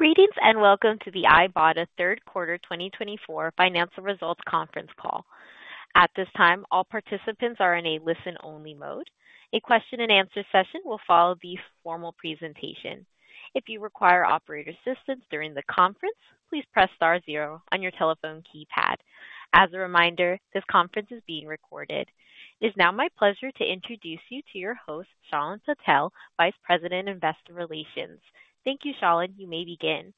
Greetings and welcome to the Ibotta Q3 2024 Financial Results Conference Call. At this time, all participants are in a listen-only mode. A question-and-answer session will follow the formal presentation. If you require operator assistance during the conference, please press star zero on your telephone keypad. As a reminder, this conference is being recorded. It is now my pleasure to introduce you to your host, Shalin Patel, Vice President, Investor Relations. Thank you, Shalin. You may begin.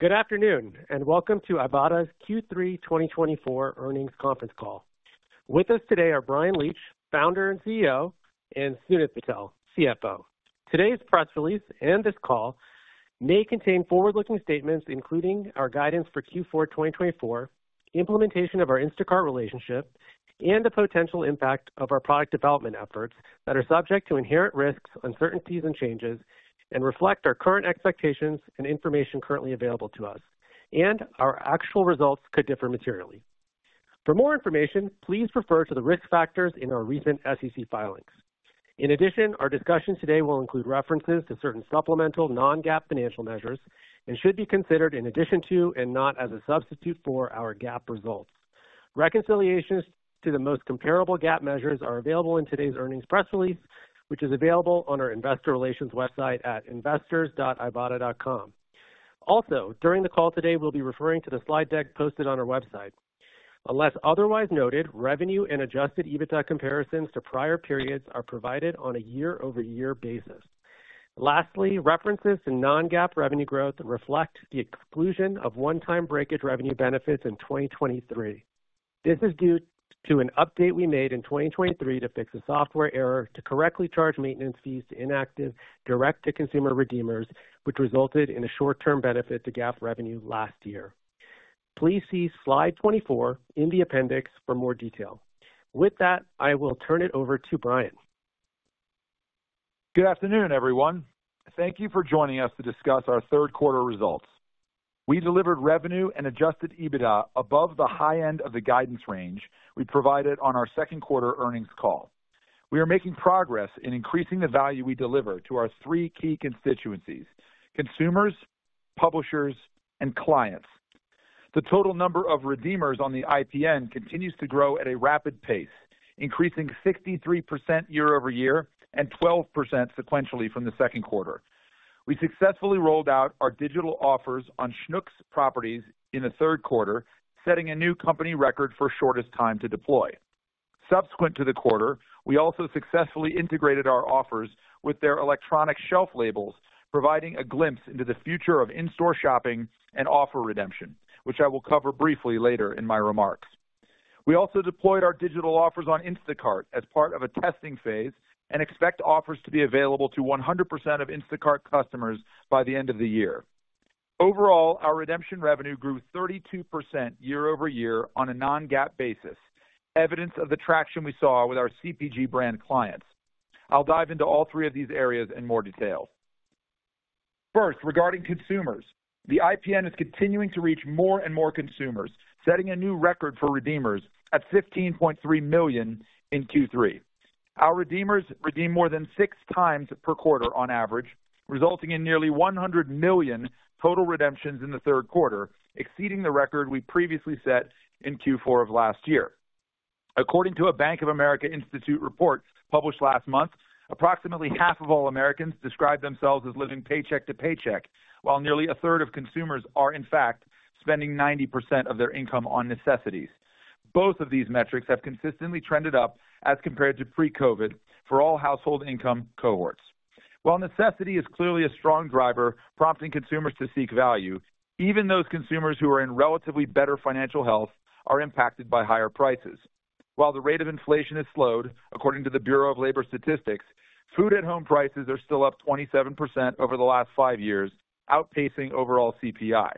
Good afternoon and welcome to Ibotta Q3 2024 Earnings Conference Call. With us today are Bryan Leach, Founder and CEO, and Sunit Patel, CFO. Today's press release and this call may contain forward-looking statements including our guidance for Q4 2024, implementation of our Instacart relationship, and the potential impact of our product development efforts that are subject to inherent risks, uncertainties, and changes, and reflect our current expectations and information currently available to us, and our actual results could differ materially. For more information, please refer to the risk factors in our recent SEC filings. In addition, our discussion today will include references to certain supplemental non-GAAP financial measures and should be considered in addition to and not as a substitute for our GAAP results. Reconciliations to the most comparable GAAP measures are available in today's earnings press release, which is available on our Investor Relations website at investors.ibotta.com. Also, during the call today, we'll be referring to the slide deck posted on our website. Unless otherwise noted, revenue and Adjusted EBITDA comparisons to prior periods are provided on a year-over-year basis. Lastly, references to non-GAAP revenue growth reflect the exclusion of one-time Breakage Revenue benefits in 2023. This is due to an update we made in 2023 to fix a software error to correctly charge maintenance fees to inactive direct-to-consumer redeemers, which resulted in a short-term benefit to GAAP revenue last year. Please see slide 24 in the appendix for more detail. With that, I will turn it over to Bryan. Good afternoon, everyone. Thank you for joining us to discuss our Q3 results. We delivered revenue and Adjusted EBITDA above the high end of the guidance range we provided on our Q2 earnings call. We are making progress in increasing the value we deliver to our three key constituencies: consumers, publishers, and clients. The total number of redeemers on the IPN continues to grow at a rapid pace, increasing 63% year-over-year and 12% sequentially from Q2. We successfully rolled out our digital offers on Schnucks properties in Q3, setting a new company record for shortest time to deploy. Subsequent to the quarter, we also successfully integrated our offers with their electronic shelf labels, providing a glimpse into the future of in-store shopping and offer redemption, which I will cover briefly later in my remarks. We also deployed our digital offers on Instacart as part of a testing phase and expect offers to be available to 100% of Instacart customers by the end of the year. Overall, our redemption revenue grew 32% year-over-year on a non-GAAP basis, evidence of the traction we saw with our CPG brand clients. I'll dive into all three of these areas in more detail. First, regarding consumers, the IPN is continuing to reach more and more consumers, setting a new record for redeemers at 15.3 million in Q3. Our redeemers redeem more than six times per quarter on average, resulting in nearly 100 million total redemptions in Q3, exceeding the record we previously set in Q4 of last year. According to a Bank of America Institute report published last month, approximately half of all Americans describe themselves as living paycheck to paycheck, while nearly a third of consumers are, in fact, spending 90% of their income on necessities. Both of these metrics have consistently trended up as compared to pre-COVID for all household income cohorts. While necessity is clearly a strong driver prompting consumers to seek value, even those consumers who are in relatively better financial health are impacted by higher prices. While the rate of inflation has slowed, according to the Bureau of Labor Statistics, food at home prices are still up 27% over the last five years, outpacing overall CPI.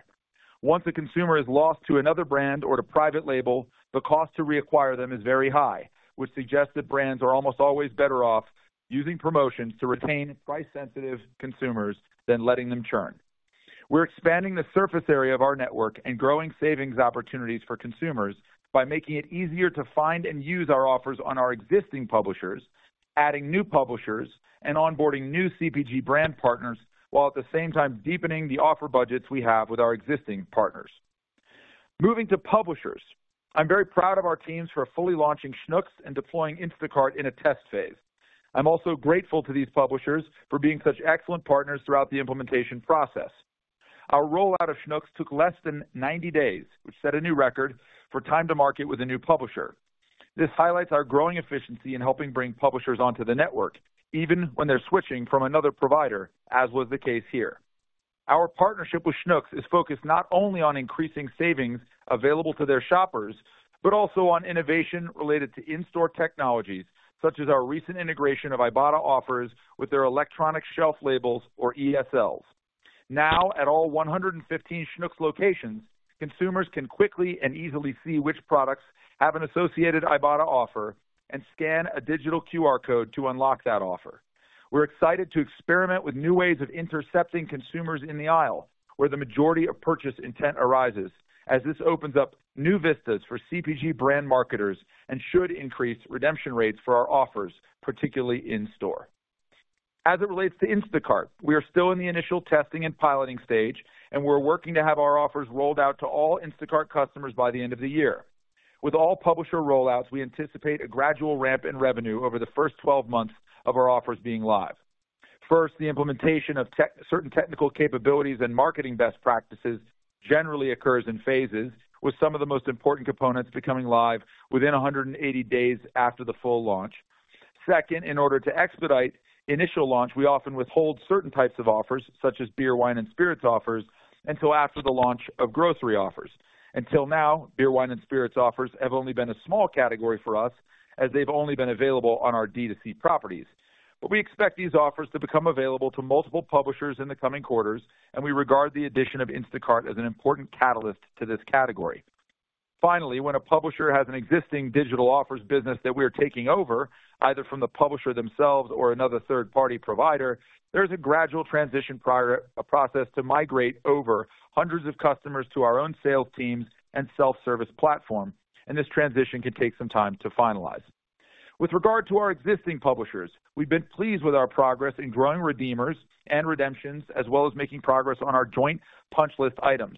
Once a consumer is lost to another brand or to private label, the cost to reacquire them is very high, which suggests that brands are almost always better off using promotions to retain price-sensitive consumers than letting them churn. We're expanding the surface area of our network and growing savings opportunities for consumers by making it easier to find and use our offers on our existing publishers, adding new publishers, and onboarding new CPG brand partners, while at the same time deepening the offer budgets we have with our existing partners. Moving to publishers, I'm very proud of our teams for fully launching Schnucks and deploying Instacart in a test phase. I'm also grateful to these publishers for being such excellent partners throughout the implementation process. Our rollout of Schnucks took less than 90 days, which set a new record for time to market with a new publisher. This highlights our growing efficiency in helping bring publishers onto the network, even when they're switching from another provider, as was the case here. Our partnership with Schnucks is focused not only on increasing savings available to their shoppers, but also on innovation related to in-store technologies, such as our recent integration of Ibotta offers with their electronic shelf labels, or ESLs. Now, at all 115 Schnucks locations, consumers can quickly and easily see which products have an associated Ibotta offer and scan a digital QR code to unlock that offer. We're excited to experiment with new ways of intercepting consumers in the aisle where the majority of purchase intent arises, as this opens up new vistas for CPG brand marketers and should increase redemption rates for our offers, particularly in-store. As it relates to Instacart, we are still in the initial testing and piloting stage, and we're working to have our offers rolled out to all Instacart customers by the end of the year. With all publisher rollouts, we anticipate a gradual ramp in revenue over the first 12 months of our offers being live. First, the implementation of certain technical capabilities and marketing best practices generally occurs in phases, with some of the most important components becoming live within 180 days after the full launch. Second, in order to expedite initial launch, we often withhold certain types of offers, such as beer, wine, and spirits offers, until after the launch of grocery offers. Until now, beer, wine, and spirits offers have only been a small category for us, as they've only been available on our D2C properties. But we expect these offers to become available to multiple publishers in the coming quarters, and we regard the addition of Instacart as an important catalyst to this category. Finally, when a publisher has an existing digital offers business that we are taking over, either from the publisher themselves or another third-party provider, there is a gradual transition process to migrate over hundreds of customers to our own sales teams and self-service platform, and this transition can take some time to finalize. With regard to our existing publishers, we've been pleased with our progress in growing redeemers and redemptions, as well as making progress on our joint punch list items.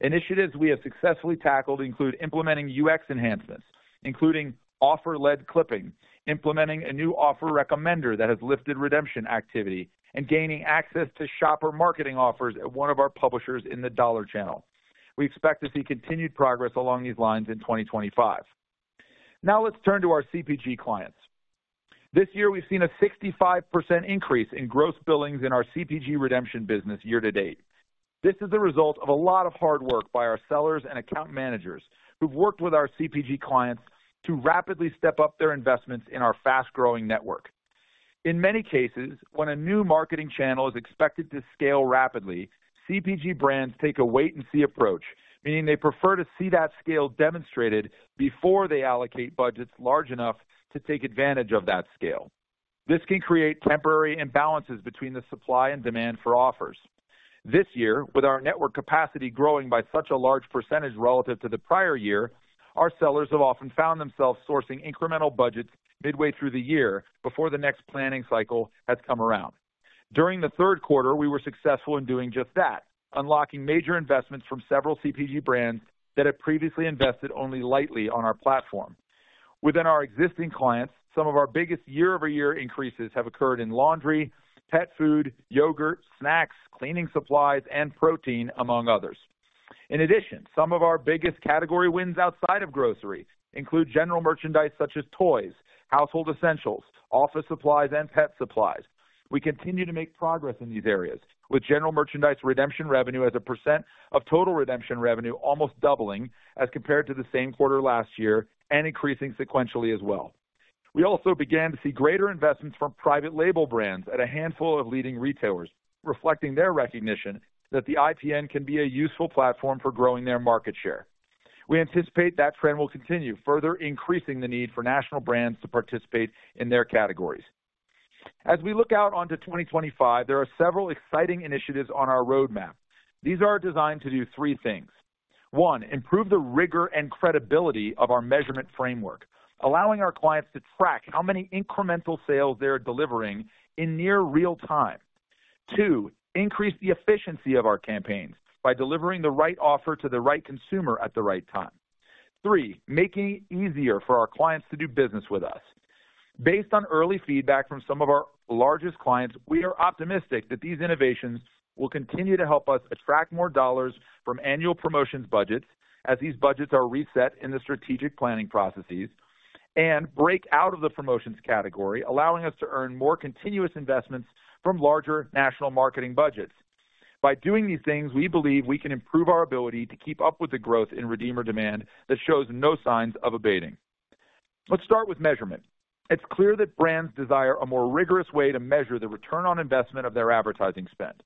Initiatives we have successfully tackled include implementing UX enhancements, including offer-led clipping, implementing a new offer recommender that has lifted redemption activity, and gaining access to shopper marketing offers at one of our publishers in the dollar channel. We expect to see continued progress along these lines in 2025. Now, let's turn to our CPG clients. This year, we've seen a 65% increase in gross billings in our CPG redemption business year to date. This is the result of a lot of hard work by our sellers and account managers who've worked with our CPG clients to rapidly step up their investments in our fast-growing network. In many cases, when a new marketing channel is expected to scale rapidly, CPG brands take a wait-and-see approach, meaning they prefer to see that scale demonstrated before they allocate budgets large enough to take advantage of that scale. This can create temporary imbalances between the supply and demand for offers. This year, with our network capacity growing by such a large percentage relative to the prior year, our sellers have often found themselves sourcing incremental budgets midway through the year before the next planning cycle has come around. During Q3, we were successful in doing just that, unlocking major investments from several CPG brands that had previously invested only lightly on our platform. Within our existing clients, some of our biggest year-over-year increases have occurred in laundry, pet food, yogurt, snacks, cleaning supplies, and protein, among others. In addition, some of our biggest category wins outside of grocery include general merchandise such as toys, household essentials, office supplies, and pet supplies. We continue to make progress in these areas, with general merchandise redemption revenue as a % of total redemption revenue almost doubling as compared to the same quarter last year and increasing sequentially as well. We also began to see greater investments from private label brands at a handful of leading retailers, reflecting their recognition that the IPN can be a useful platform for growing their market share. We anticipate that trend will continue, further increasing the need for national brands to participate in their categories. As we look out onto 2025, there are several exciting initiatives on our roadmap. These are designed to do three things. One, improve the rigor and credibility of our measurement framework, allowing our clients to track how many incremental sales they are delivering in near real time. Two, increase the efficiency of our campaigns by delivering the right offer to the right consumer at the right time. Three, making it easier for our clients to do business with us. Based on early feedback from some of our largest clients, we are optimistic that these innovations will continue to help us attract more dollars from annual promotions budgets, as these budgets are reset in the strategic planning processes, and break out of the promotions category, allowing us to earn more continuous investments from larger national marketing budgets. By doing these things, we believe we can improve our ability to keep up with the growth in redeemer demand that shows no signs of abating. Let's start with measurement. It's clear that brands desire a more rigorous way to measure the return on investment of their advertising spend.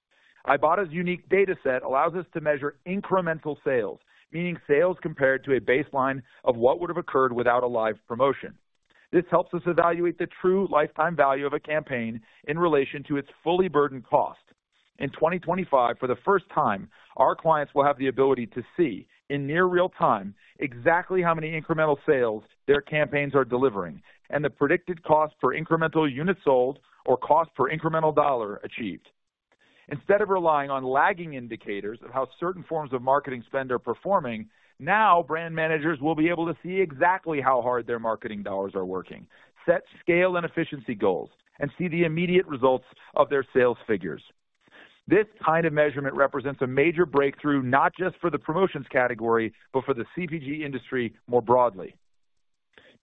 Ibotta's unique data set allows us to measure incremental sales, meaning sales compared to a baseline of what would have occurred without a live promotion. This helps us evaluate the true lifetime value of a campaign in relation to its fully burdened cost. In 2025, for the first time, our clients will have the ability to see, in near real time, exactly how many incremental sales their campaigns are delivering and the predicted cost per incremental unit sold or cost per incremental dollar achieved. Instead of relying on lagging indicators of how certain forms of marketing spend are performing, now brand managers will be able to see exactly how hard their marketing dollars are working, set scale and efficiency goals, and see the immediate results of their sales figures. This kind of measurement represents a major breakthrough not just for the promotions category, but for the CPG industry more broadly.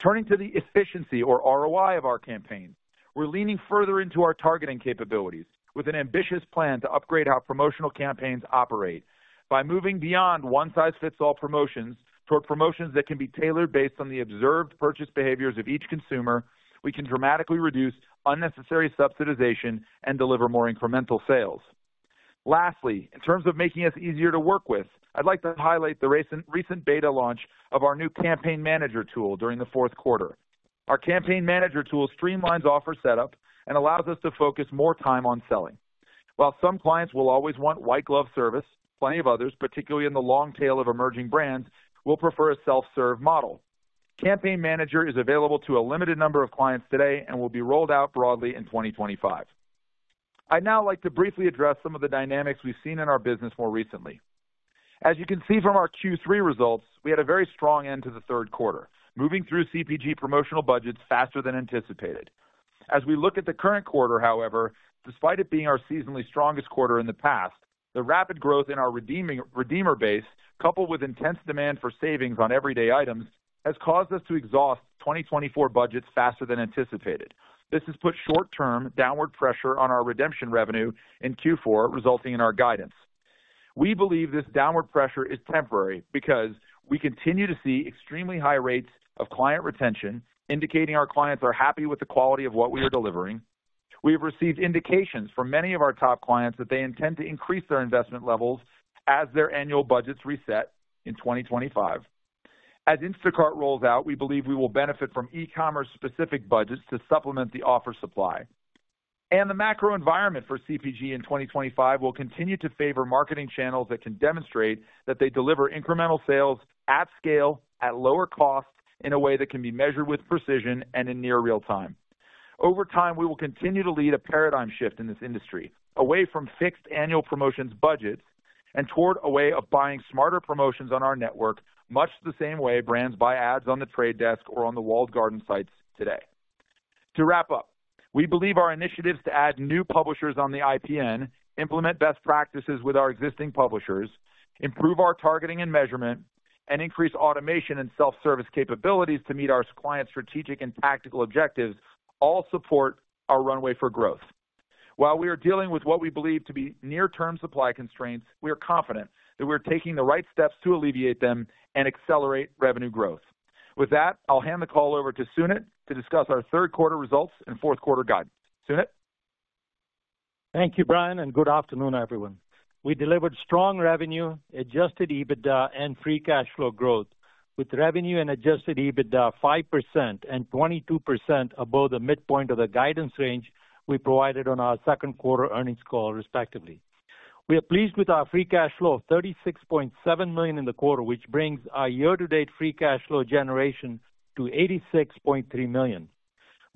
Turning to the efficiency, or ROI, of our campaigns, we're leaning further into our targeting capabilities with an ambitious plan to upgrade how promotional campaigns operate. By moving beyond one-size-fits-all promotions toward promotions that can be tailored based on the observed purchase behaviors of each consumer, we can dramatically reduce unnecessary subsidization and deliver more incremental sales. Lastly, in terms of making us easier to work with, I'd like to highlight the recent beta launch of our new Campaign Manager tool during Q4. Our Campaign Manager tool streamlines offer setup and allows us to focus more time on selling. While some clients will always want white-glove service, plenty of others, particularly in the long tail of emerging brands, will prefer a self-serve model. Campaign Manager is available to a limited number of clients today and will be rolled out broadly in 2025. I'd now like to briefly address some of the dynamics we've seen in our business more recently. As you can see from our Q3 results, we had a very strong end to Q3, moving through CPG promotional budgets faster than anticipated. As we look at the current quarter, however, despite it being our seasonally strongest quarter in the past, the rapid growth in our redeemer base, coupled with intense demand for savings on everyday items, has caused us to exhaust 2024 budgets faster than anticipated. This has put short-term downward pressure on our redemption revenue in Q4, resulting in our guidance. We believe this downward pressure is temporary because we continue to see extremely high rates of client retention, indicating our clients are happy with the quality of what we are delivering. We have received indications from many of our top clients that they intend to increase their investment levels as their annual budgets reset in 2025. As Instacart rolls out, we believe we will benefit from e-commerce-specific budgets to supplement the offer supply. And the macro environment for CPG in 2025 will continue to favor marketing channels that can demonstrate that they deliver incremental sales at scale, at lower cost, in a way that can be measured with precision and in near real time. Over time, we will continue to lead a paradigm shift in this industry, away from fixed annual promotions budgets and toward a way of buying smarter promotions on our network, much the same way brands buy ads on The Trade Desk or on the walled garden sites today. To wrap up, we believe our initiatives to add new publishers on the IPN, implement best practices with our existing publishers, improve our targeting and measurement, and increase automation and self-service capabilities to meet our clients' strategic and tactical objectives all support our runway for growth. While we are dealing with what we believe to be near-term supply constraints, we are confident that we are taking the right steps to alleviate them and accelerate revenue growth. With that, I'll hand the call over to Sunit to discuss our Q3 results and Q4 guidance. Sunit? Thank you, Bryan, and good afternoon, everyone. We delivered strong revenue, Adjusted EBITDA, and Free Cash Flow growth. With revenue and Adjusted EBITDA 5% and 22% above the midpoint of the guidance range we provided on our Q2 earnings call, respectively. We are pleased with our free cash flow of $36.7 million in the quarter, which brings our year-to-date free cash flow generation to $86.3 million.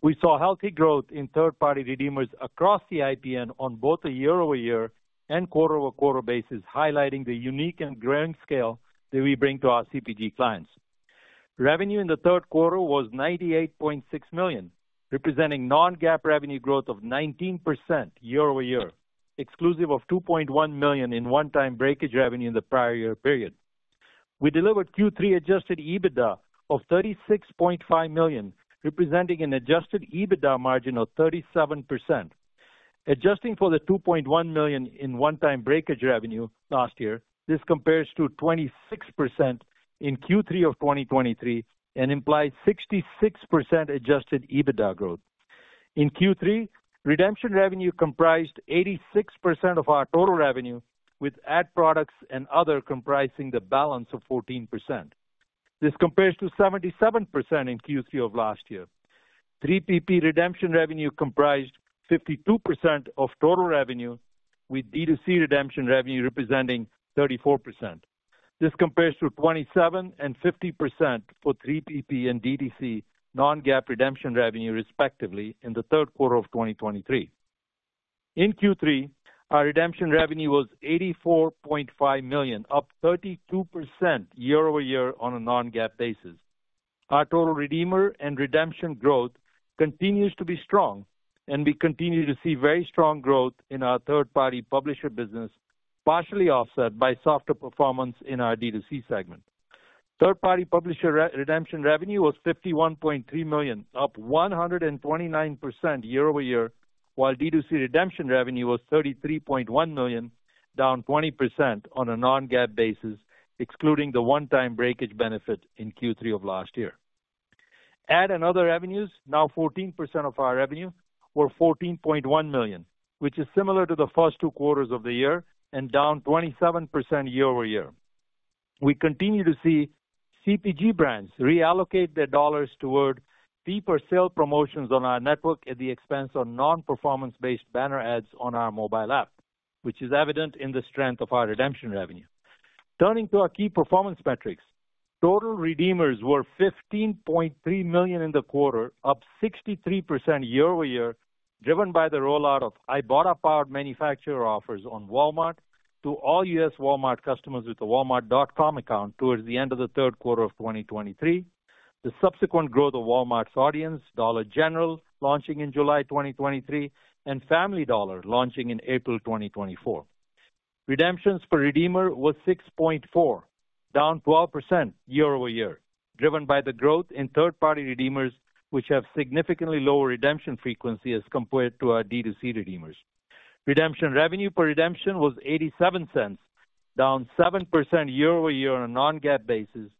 We saw healthy growth in third-party redeemers across the IPN on both a year-over-year and quarter-over-quarter basis, highlighting the unique and growing scale that we bring to our CPG clients. Revenue in Q3 was $98.6 million, representing non-GAAP revenue growth of 19% year-over-year, exclusive of $2.1 million in one-time breakage revenue in the prior year period. We delivered Q3 adjusted EBITDA of $36.5 million, representing an adjusted EBITDA margin of 37%. Adjusting for the $2.1 million in one-time breakage revenue last year, this compares to 26% in Q3 of 2023 and implies 66% adjusted EBITDA growth. In Q3, redemption revenue comprised 86% of our total revenue, with ad products and other comprising the balance of 14%. This compares to 77% in Q3 of last year. 3PP redemption revenue comprised 52% of total revenue, with D2C redemption revenue representing 34%. This compares to 27% and 50% for 3PP and D2C non-GAAP redemption revenue, respectively, in Q3 of 2023. In Q3, our redemption revenue was $84.5 million, up 32% year-over-year on a non-GAAP basis. Our total redeemer and redemption growth continues to be strong, and we continue to see very strong growth in our third-party publisher business, partially offset by softer performance in our D2C segment. Third-party publisher redemption revenue was $51.3 million, up 129% year-over-year, while D2C redemption revenue was $33.1 million, down 20% on a non-GAAP basis, excluding the one-time breakage benefit in Q3 of last year. Other revenues, now 14% of our revenue, were $14.1 million, which is similar to the first two quarters of the year and down 27% year-over-year. We continue to see CPG brands reallocate their dollars toward cheaper sale promotions on our network at the expense of non-performance-based banner ads on our mobile app, which is evident in the strength of our redemption revenue. Turning to our key performance metrics, total redeemers were 15.3 million in the quarter, up 63% year-over-year, driven by the rollout of Ibotta-powered manufacturer offers on Walmart to all U.S. Walmart customers with a Walmart.com account toward the end of Q3 of 2023, the subsequent growth of Walmart's audience, Dollar General, launching in July 2023, and Family Dollar, launching in April 2024. Redemptions per redeemer were 6.4, down 12% year-over-year, driven by the growth in third-party redeemers, which have significantly lower redemption frequency as compared to our D2C redeemers. Redemption revenue per redemption was $0.87, down 7% year-over-year on a Non-GAAP basis,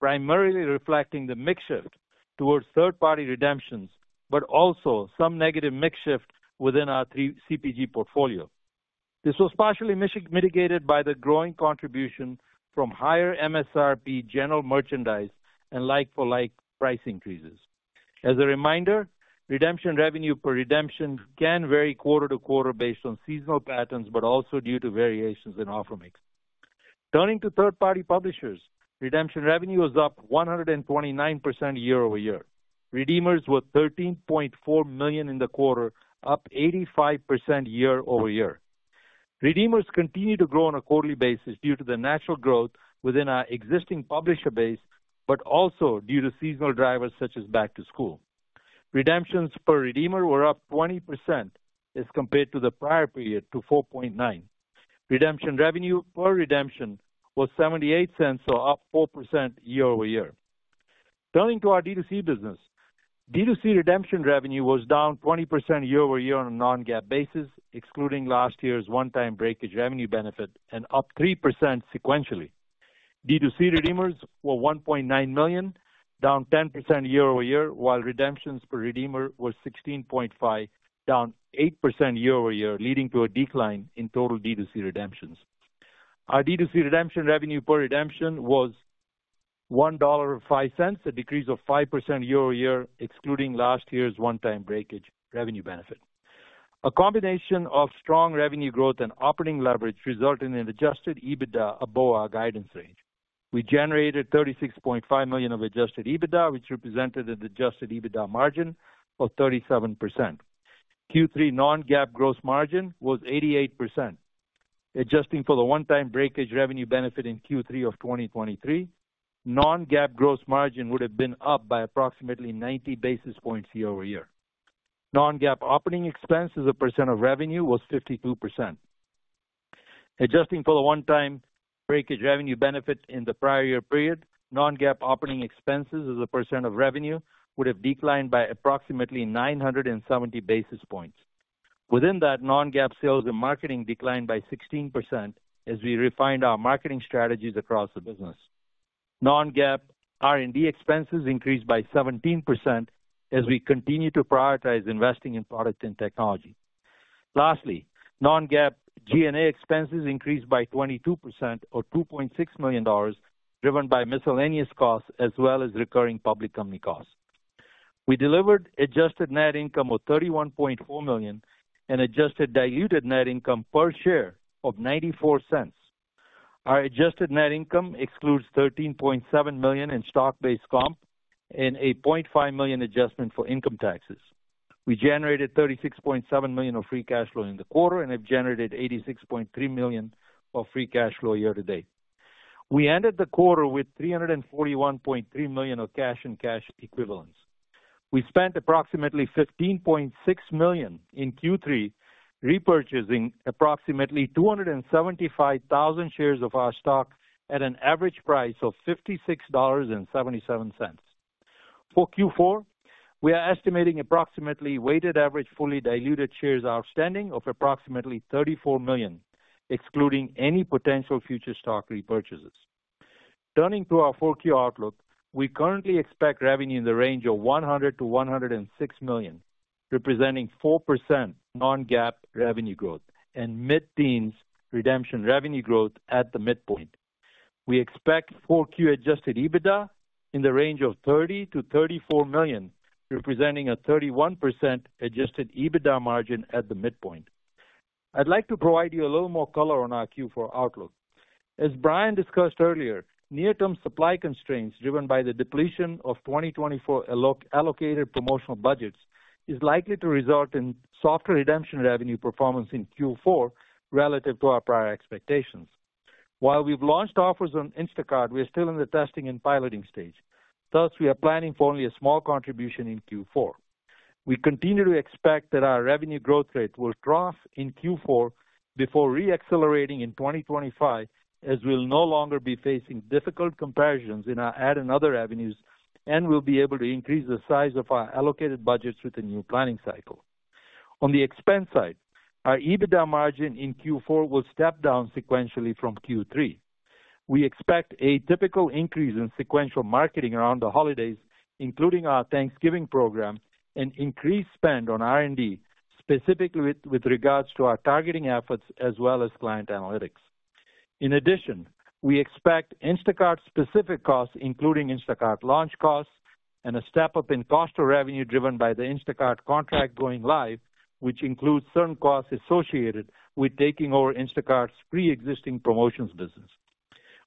primarily reflecting the mix shift towards third-party redemptions, but also some negative mix shift within our CPG portfolio. This was partially mitigated by the growing contribution from higher MSRP general merchandise and like-for-like price increases. As a reminder, redemption revenue per redemption can vary quarter to quarter based on seasonal patterns, but also due to variations in offer mix. Turning to third-party publishers, redemption revenue was up 129% year-over-year. Redemptions were 13.4 million in the quarter, up 85% year-over-year. Redemptions continue to grow on a quarterly basis due to the natural growth within our existing publisher base, but also due to seasonal drivers such as back-to-school. Redemptions per redeemer were up 20% as compared to the prior period, to 4.9. Redemption revenue per redemption was $0.78, up 4% year-over-year. Turning to our D2C business, D2C redemption revenue was down 20% year-over-year on a non-GAAP basis, excluding last year's one-time breakage revenue benefit, and up 3% sequentially. D2C redeemers were 1.9 million, down 10% year-over-year, while redemptions per redeemer were 16.5, down 8% year-over-year, leading to a decline in total D2C redemptions. Our D2C redemption revenue per redemption was $1.05, a decrease of 5% year-over-year, excluding last year's one-time breakage revenue benefit. A combination of strong revenue growth and operating leverage resulted in adjusted EBITDA above our guidance range. We generated $36.5 million of adjusted EBITDA, which represented an adjusted EBITDA margin of 37%. Q3 non-GAAP gross margin was 88%. Adjusting for the one-time breakage revenue benefit in Q3 of 2023, non-GAAP gross margin would have been up by approximately 90 basis points year-over-year. Non-GAAP operating expenses were 52% of revenue. Adjusting for the one-time breakage revenue benefit in the prior year period, non-GAAP operating expenses of 70% of revenue would have declined by approximately 970 basis points. Within that, non-GAAP sales and marketing declined by 16% as we refined our marketing strategies across the business. Non-GAAP R&D expenses increased by 17% as we continue to prioritize investing in product and technology. Lastly, non-GAAP G&A expenses increased by 22%, or $2.6 million, driven by miscellaneous costs as well as recurring public company costs. We delivered adjusted net income of $31.4 million and adjusted diluted net income per share of $0.94. Our adjusted net income excludes $13.7 million in stock-based comp and a $0.5 million adjustment for income taxes. We generated $36.7 million of free cash flow in the quarter and have generated $86.3 million of free cash flow year-to-date. We ended the quarter with $341.3 million of cash and cash equivalents. We spent approximately $15.6 million in Q3, repurchasing approximately 275,000 shares of our stock at an average price of $56.77. For Q4, we are estimating approximately weighted average fully diluted shares outstanding of approximately $34 million, excluding any potential future stock repurchases. Turning to our Q4 outlook, we currently expect revenue in the range of $100-$106 million, representing 4% Non-GAAP revenue growth and mid-teens redemption revenue growth at the midpoint. We expect Q4 Adjusted EBITDA in the range of $30-$34 million, representing a 31% Adjusted EBITDA margin at the midpoint. I'd like to provide you a little more color on our Q4 outlook. As Bryan discussed earlier, near-term supply constraints driven by the depletion of 2024 allocated promotional budgets is likely to result in softer redemption revenue performance in Q4 relative to our prior expectations. While we've launched offers on Instacart, we are still in the testing and piloting stage. Thus, we are planning for only a small contribution in Q4. We continue to expect that our revenue growth rate will trough in Q4 before re-accelerating in 2025, as we'll no longer be facing difficult comparisons in our ad and other revenues and will be able to increase the size of our allocated budgets with a new planning cycle. On the expense side, our EBITDA margin in Q4 will step down sequentially from Q3. We expect a typical increase in sequential marketing around the holidays, including our Thanksgiving program, and increased spend on R&D, specifically with regards to our targeting efforts as well as client analytics. In addition, we expect Instacart-specific costs, including Instacart launch costs and a step-up in cost of revenue driven by the Instacart contract going live, which includes certain costs associated with taking over Instacart's pre-existing promotions business.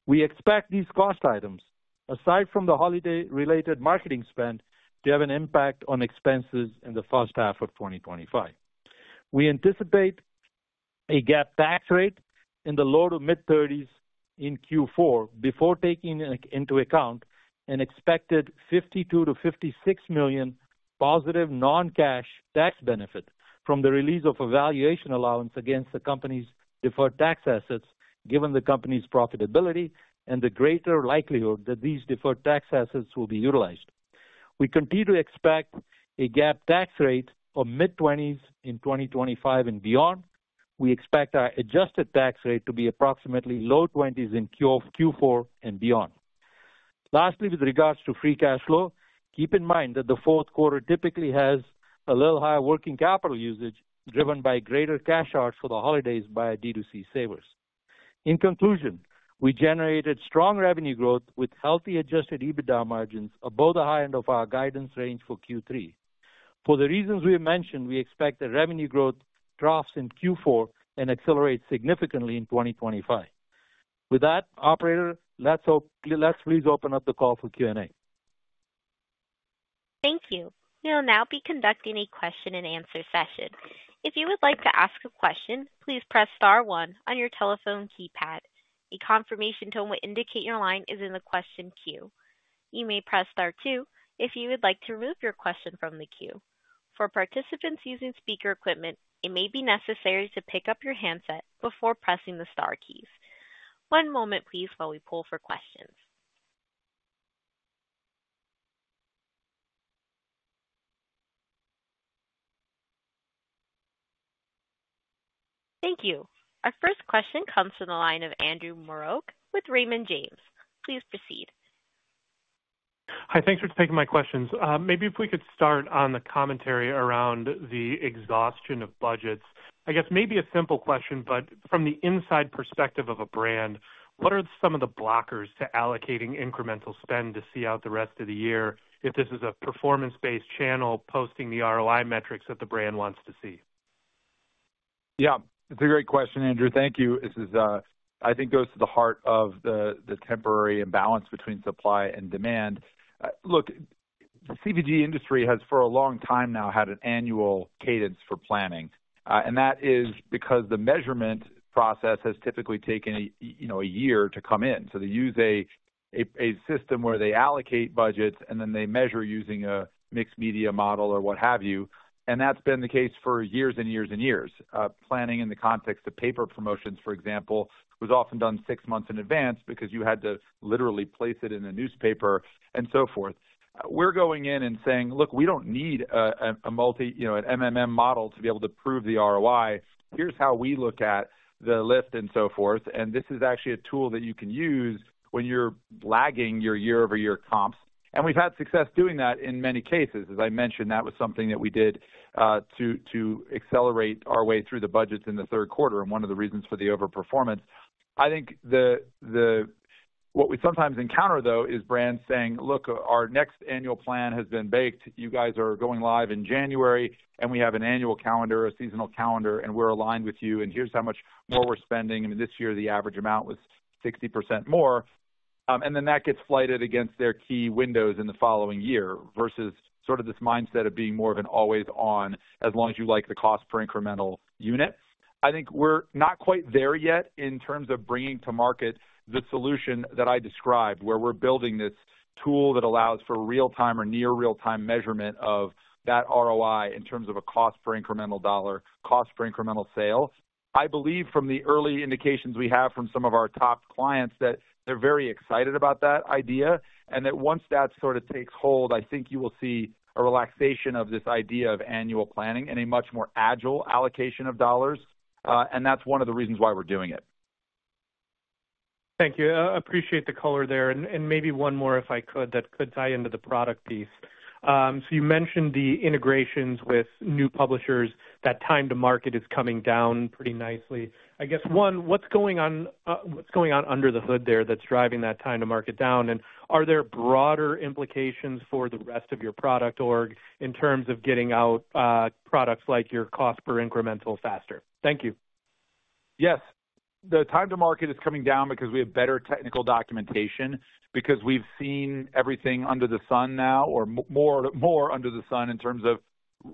We expect these cost items, aside from the holiday-related marketing spend, to have an impact on expenses in the first half of 2025. We anticipate a GAAP tax rate in the low- to mid-30s in Q4 before taking into account an expected $52 million-$56 million positive non-cash tax benefit from the release of a valuation allowance against the company's deferred tax assets, given the company's profitability and the greater likelihood that these deferred tax assets will be utilized. We continue to expect a GAAP tax rate of mid-20s in 2025 and beyond. We expect our adjusted tax rate to be approximately low-20s in Q4 and beyond. Lastly, with regards to free cash flow, keep in mind that the Q4 typically has a little higher working capital usage driven by greater cash out for the holidays by D2C savers. In conclusion, we generated strong revenue growth with healthy adjusted EBITDA margins above the high end of our guidance range for Q3. For the reasons we have mentioned, we expect the revenue growth troughs in Q4 and accelerates significantly in 2025. With that, Operator, let's please open up the call for Q&A. Thank you. We will now be conducting a question-and-answer session. If you would like to ask a question, please press star one on your telephone keypad. A confirmation tone will indicate your line is in the question queue. You may press star two if you would like to remove your question from the queue. For participants using speaker equipment, it may be necessary to pick up your handset before pressing the star keys. One moment, please, while we poll for questions. Thank you. Our first question comes from the line of Andrew Marok with Raymond James. Please proceed. Hi, thanks for taking my questions. Maybe if we could start on the commentary around the exhaustion of budgets. I guess maybe a simple question, but from the inside perspective of a brand, what are some of the blockers to allocating incremental spend to see out the rest of the year if this is a performance-based channel posting the ROI metrics that the brand wants to see? Yeah, it's a great question, Andrew. Thank you. This is, I think, goes to the heart of the temporary imbalance between supply and demand. Look, the CPG industry has for a long time now had an annual cadence for planning, and that is because the measurement process has typically taken a year to come in. So they use a system where they allocate budgets and then they measure using a mixed media model or what have you, and that's been the case for years and years and years. Planning in the context of paper promotions, for example, was often done six months in advance because you had to literally place it in a newspaper and so forth. We're going in and saying, "Look, we don't need an model to be able to prove the ROI. Here's how we look at the lift and so forth." And this is actually a tool that you can use when you're lagging your year-over-year comps. And we've had success doing that in many cases. As I mentioned, that was something that we did to accelerate our way through the budgets in the third quarter and one of the reasons for the overperformance. I think what we sometimes encounter, though, is brands saying, "Look, our next annual plan has been baked. You guys are going live in January, and we have an annual calendar, a seasonal calendar, and we're aligned with you, and here's how much more we're spending." I mean, this year, the average amount was 60% more. And then that gets flighted against their key windows in the following year, versus sort of this mindset of being more of an always-on, as long as you like the cost per incremental unit. I think we're not quite there yet in terms of bringing to market the solution that I described, where we're building this tool that allows for real-time or near-real-time measurement of that ROI in terms of a cost per incremental dollar, cost per incremental sale. I believe from the early indications we have from some of our top clients that they're very excited about that idea and that once that sort of takes hold, I think you will see a relaxation of this idea of annual planning and a much more agile allocation of dollars. And that's one of the reasons why we're doing it. Thank you. I appreciate the color there. And maybe one more, if I could, that could tie into the product piece. So you mentioned the integrations with new publishers, that time to market is coming down pretty nicely. I guess, one, what's going on under the hood there that's driving that time to market down? And are there broader implications for the rest of your product org in terms of getting out products like your cost per incremental faster? Thank you. Yes. The time to market is coming down because we have better technical documentation, because we've seen everything under the sun now, or more under the sun in terms of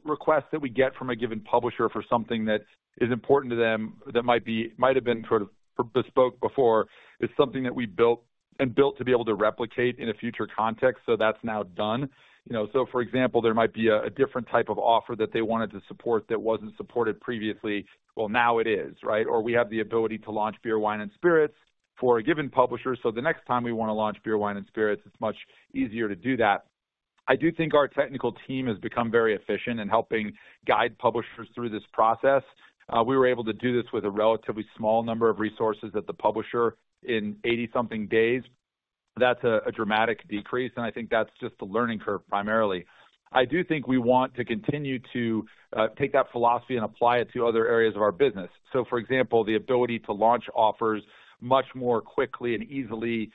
requests that we get from a given publisher for something that is important to them that might have been sort of bespoke before. It's something that we built and built to be able to replicate in a future context, so that's now done. For example, there might be a different type of offer that they wanted to support that wasn't supported previously. Now it is, right? Or we have the ability to launch beer, wine, and spirits for a given publisher. The next time we want to launch beer, wine, and spirits, it's much easier to do that. I do think our technical team has become very efficient in helping guide publishers through this process. We were able to do this with a relatively small number of resources at the publisher in 80-something days. That's a dramatic decrease, and I think that's just the learning curve primarily. I do think we want to continue to take that philosophy and apply it to other areas of our business. For example, the ability to launch offers much more quickly and easily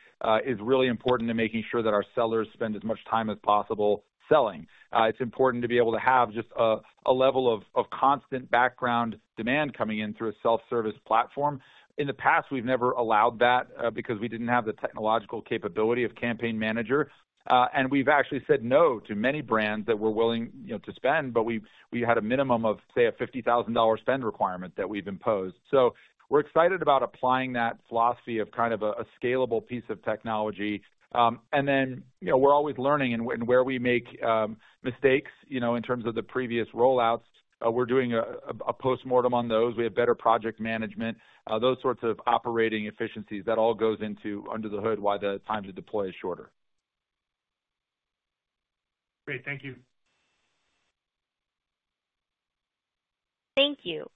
is really important in making sure that our sellers spend as much time as possible selling. It's important to be able to have just a level of constant background demand coming in through a self-service platform. In the past, we've never allowed that because we didn't have the technological capability of Campaign Manager. We've actually said no to many brands that were willing to spend, but we had a minimum of, say, a $50,000 spend requirement that we've imposed. We're excited about applying that philosophy of kind of a scalable piece of technology. Then we're always learning, and where we make mistakes in terms of the previous rollouts, we're doing a postmortem on those. We have better project management, those sorts of operating efficiencies. That all goes into under the hood why the time to deploy is shorter. Great. Thank you. Thank you.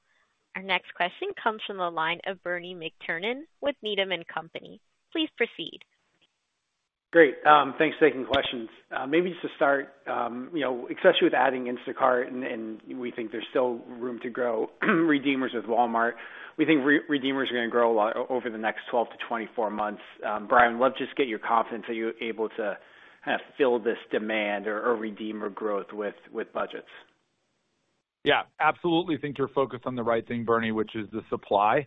Our next question comes from the line of Bernie McTernan with Needham & Company. Please proceed. Great. Thanks for taking questions. Maybe to start, especially with adding Instacart, and we think there's still room to grow redeemers with Walmart. We think redeemers are going to grow a lot over the next 12-24 months. Bryan, let's just get your confidence that you're able to kind of fill this demand or redeemer growth with budgets. Yeah, absolutely think you're focused on the right thing, Bernie, which is the supply.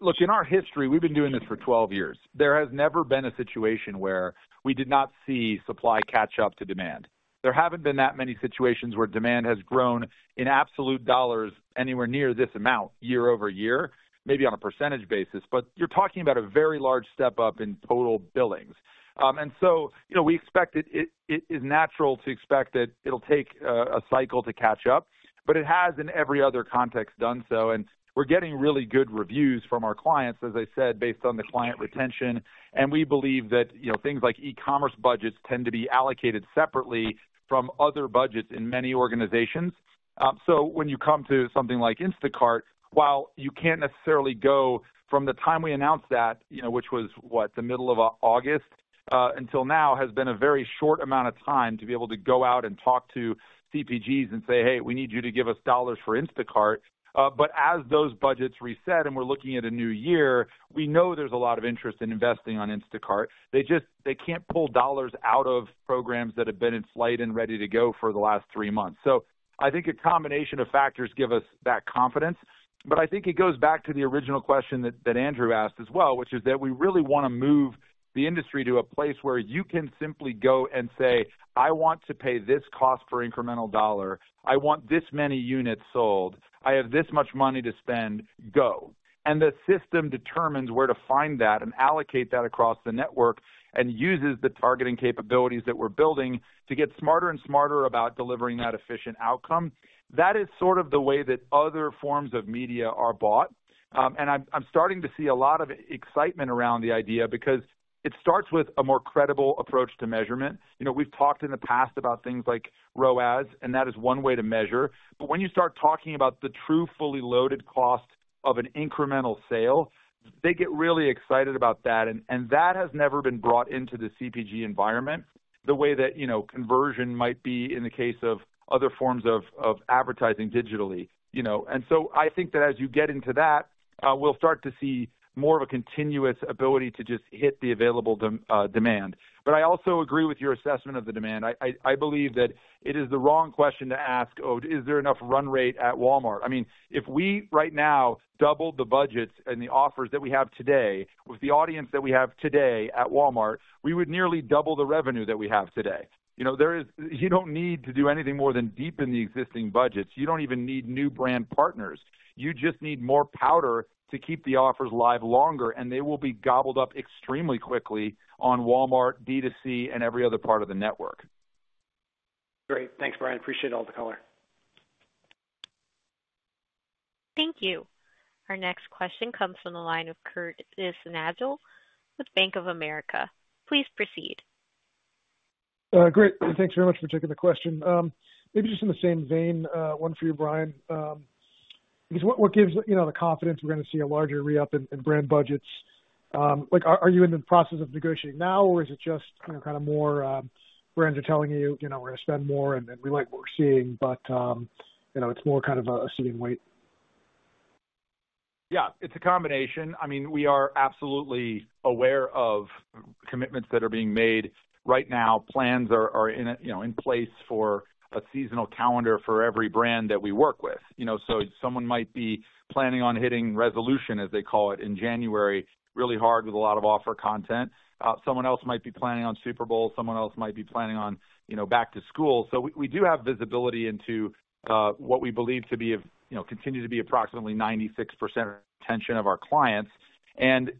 Look, in our history, we've been doing this for 12 years. There has never been a situation where we did not see supply catch up to demand. There haven't been that many situations where demand has grown in absolute dollars anywhere near this amount year-over-year, maybe on a percentage basis, but you're talking about a very large step up in total billings. And so we expect it is natural to expect that it'll take a cycle to catch up, but it has in every other context done so. And we're getting really good reviews from our clients, as I said, based on the client retention. And we believe that things like e-commerce budgets tend to be allocated separately from other budgets in many organizations. So when you come to something like Instacart, while you can't necessarily go from the time we announced that, which was, what, the middle of August until now, has been a very short amount of time to be able to go out and talk to CPGs and say, "Hey, we need you to give us dollars for Instacart." But as those budgets reset and we're looking at a new year, we know there's a lot of interest in investing on Instacart. They can't pull dollars out of programs that have been in flight and ready to go for the last three months. So I think a combination of factors give us that confidence. But I think it goes back to the original question that Andrew asked as well, which is that we really want to move the industry to a place where you can simply go and say, "I want to pay this cost per incremental dollar. I want this many units sold. I have this much money to spend. Go." And the system determines where to find that and allocate that across the network and uses the targeting capabilities that we're building to get smarter and smarter about delivering that efficient outcome. That is sort of the way that other forms of media are bought. And I'm starting to see a lot of excitement around the idea because it starts with a more credible approach to measurement. We've talked in the past about things like ROAS, and that is one way to measure. But when you start talking about the true fully loaded cost of an incremental sale, they get really excited about that. And that has never been brought into the CPG environment the way that conversion might be in the case of other forms of advertising digitally. And so I think that as you get into that, we'll start to see more of a continuous ability to just hit the available demand. But I also agree with your assessment of the demand. I believe that it is the wrong question to ask, "Oh, is there enough run rate at Walmart?" I mean, if we right now doubled the budgets and the offers that we have today with the audience that we have today at Walmart, we would nearly double the revenue that we have today. You don't need to do anything more than deepen the existing budgets. You don't even need new brand partners. You just need more powder to keep the offers live longer, and they will be gobbled up extremely quickly on Walmart, D2C, and every other part of the network. Great. Thanks, Bryan. Appreciate all the color. Thank you. Our next question comes from the line of Curtis Nagle with Bank of America. Please proceed. Great. Thanks very much for taking the question. Maybe just in the same vein, one for you, Bryan. What gives the confidence we're going to see a larger re-up in brand budgets? Are you in the process of negotiating now, or is it just kind of more brands are telling you, "We're going to spend more, and we like what we're seeing," but it's more kind of a see and wait? Yeah, it's a combination. I mean, we are absolutely aware of commitments that are being made. Right now, plans are in place for a seasonal calendar for every brand that we work with. So someone might be planning on hitting resolution, as they call it, in January really hard with a lot of offer content. Someone else might be planning on Super Bowl. Someone else might be planning on back to school. So we do have visibility into what we believe to continue to be approximately 96% retention of our clients. And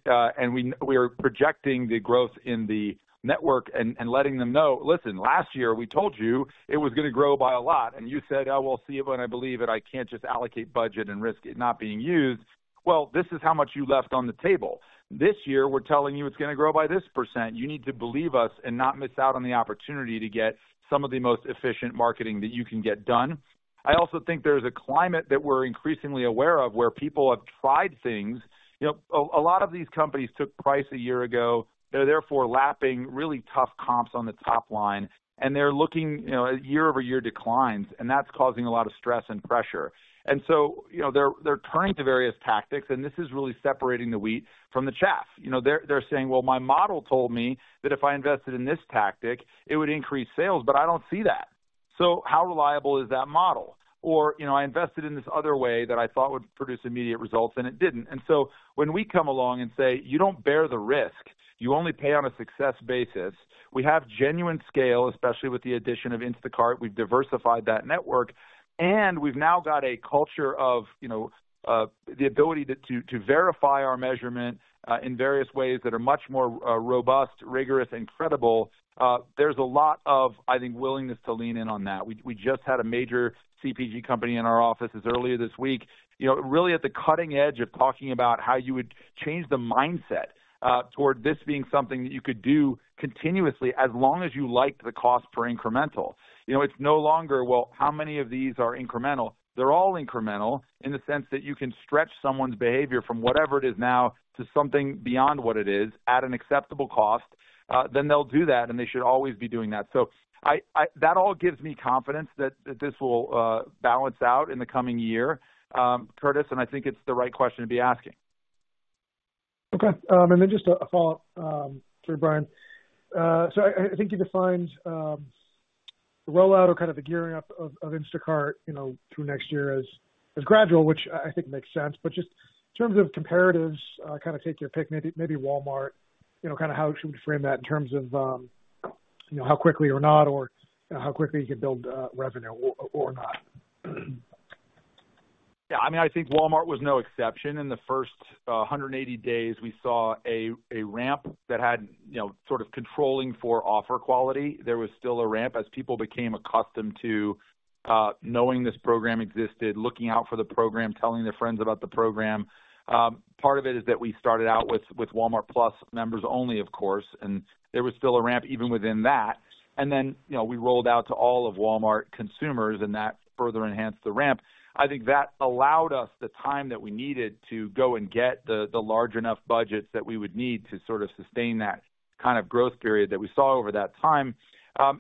we are projecting the growth in the network and letting them know, "Listen, last year we told you it was going to grow by a lot, and you said, 'Oh, well, see, when I believe it, I can't just allocate budget and risk it not being used.' Well, this is how much you left on the table. This year, we're telling you it's going to grow by this percent. You need to believe us and not miss out on the opportunity to get some of the most efficient marketing that you can get done." I also think there's a climate that we're increasingly aware of where people have tried things. A lot of these companies took price a year ago. They're therefore lapping really tough comps on the top line, and they're looking at year-over-year declines, and that's causing a lot of stress and pressure, and so they're turning to various tactics, and this is really separating the wheat from the chaff. They're saying, "Well, my model told me that if I invested in this tactic, it would increase sales, but I don't see that. So how reliable is that model?" Or, "I invested in this other way that I thought would produce immediate results, and it didn't." And so when we come along and say, "You don't bear the risk. You only pay on a success basis." We have genuine scale, especially with the addition of Instacart. We've diversified that network, and we've now got a culture of the ability to verify our measurement in various ways that are much more robust, rigorous, and credible. There's a lot of, I think, willingness to lean in on that. We just had a major CPG company in our offices earlier this week, really at the cutting edge of talking about how you would change the mindset toward this being something that you could do continuously as long as you liked the cost per incremental. It's no longer, "Well, how many of these are incremental?" They're all incremental in the sense that you can stretch someone's behavior from whatever it is now to something beyond what it is at an acceptable cost. Then they'll do that, and they should always be doing that, so that all gives me confidence that this will balance out in the coming year, Curtis, and I think it's the right question to be asking. Okay, and then just a follow-up for Bryan. So I think you defined the rollout or kind of the gearing up of Instacart through next year as gradual, which I think makes sense, but just in terms of comparables, kind of take your pick. Maybe Walmart, kind of how should we frame that in terms of how quickly or not, or how quickly you can build revenue or not? Yeah. I mean, I think Walmart was no exception. In the first 180 days, we saw a ramp that had sort of controlling for offer quality. There was still a ramp as people became accustomed to knowing this program existed, looking out for the program, telling their friends about the program. Part of it is that we started out with Walmart+ members only, of course, and there was still a ramp even within that. And then we rolled out to all of Walmart consumers, and that further enhanced the ramp. I think that allowed us the time that we needed to go and get the large enough budgets that we would need to sort of sustain that kind of growth period that we saw over that time.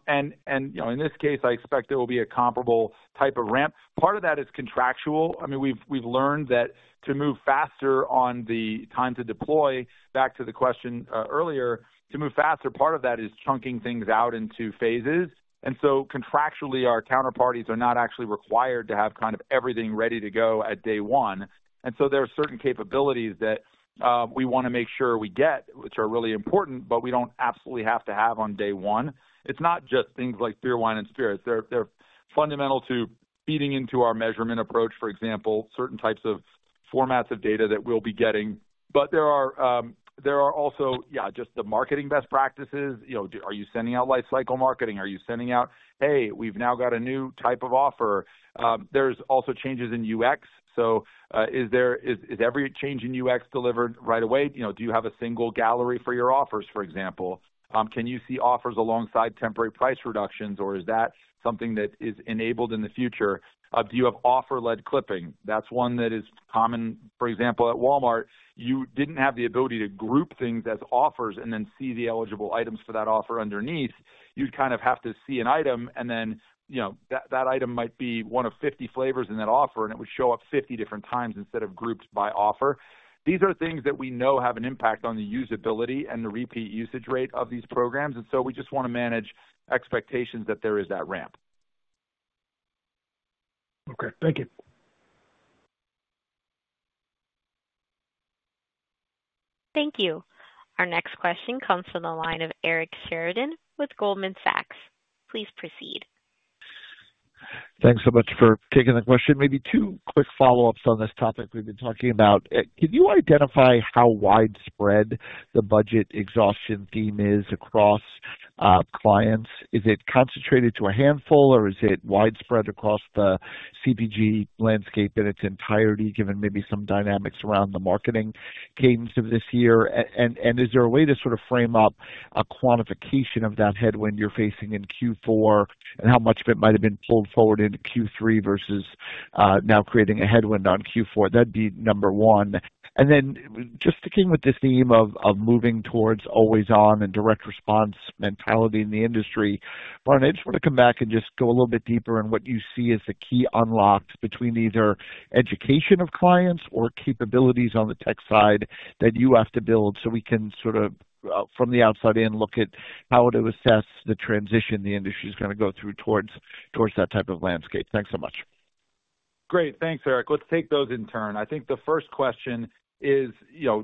And in this case, I expect there will be a comparable type of ramp. Part of that is contractual. I mean, we've learned that to move faster on the time to deploy, back to the question earlier, to move faster, part of that is chunking things out into phases, and so contractually, our counterparties are not actually required to have kind of everything ready to go at day one, and so there are certain capabilities that we want to make sure we get, which are really important, but we don't absolutely have to have on day one. It's not just things like beer, wine, and spirits. They're fundamental to feeding into our measurement approach, for example, certain types of formats of data that we'll be getting. But there are also, yeah, just the marketing best practices. Are you sending out life cycle marketing? Are you sending out, "Hey, we've now got a new type of offer?" There's also changes in UX. So is every change in UX delivered right away? Do you have a single gallery for your offers, for example? Can you see offers alongside temporary price reductions, or is that something that is enabled in the future? Do you have offer-led clipping? That's one that is common. For example, at Walmart, you didn't have the ability to group things as offers and then see the eligible items for that offer underneath. You'd kind of have to see an item, and then that item might be one of 50 flavors in that offer, and it would show up 50 different times instead of grouped by offer. These are things that we know have an impact on the usability and the repeat usage rate of these programs. And so we just want to manage expectations that there is that ramp. Okay. Thank you. Thank you. Our next question comes from the line of Eric Sheridan with Goldman Sachs. Please proceed. Thanks so much for taking the question. Maybe two quick follow-ups on this topic we've been talking about. Can you identify how widespread the budget exhaustion theme is across clients? Is it concentrated to a handful, or is it widespread across the CPG landscape in its entirety, given maybe some dynamics around the marketing cadence of this year? And is there a way to sort of frame up a quantification of that headwind you're facing in Q4 and how much of it might have been pulled forward into Q3 versus now creating a headwind on Q4? That'd be number one. And then just sticking with this theme of moving towards always-on and direct response mentality in the industry. Bryan, I just want to come back and just go a little bit deeper in what you see as the key unlocks between either education of clients or capabilities on the tech side that you have to build so we can sort of, from the outside in, look at how to assess the transition the industry is going to go through towards that type of landscape. Thanks so much. Great. Thanks, Eric. Let's take those in turn. I think the first question is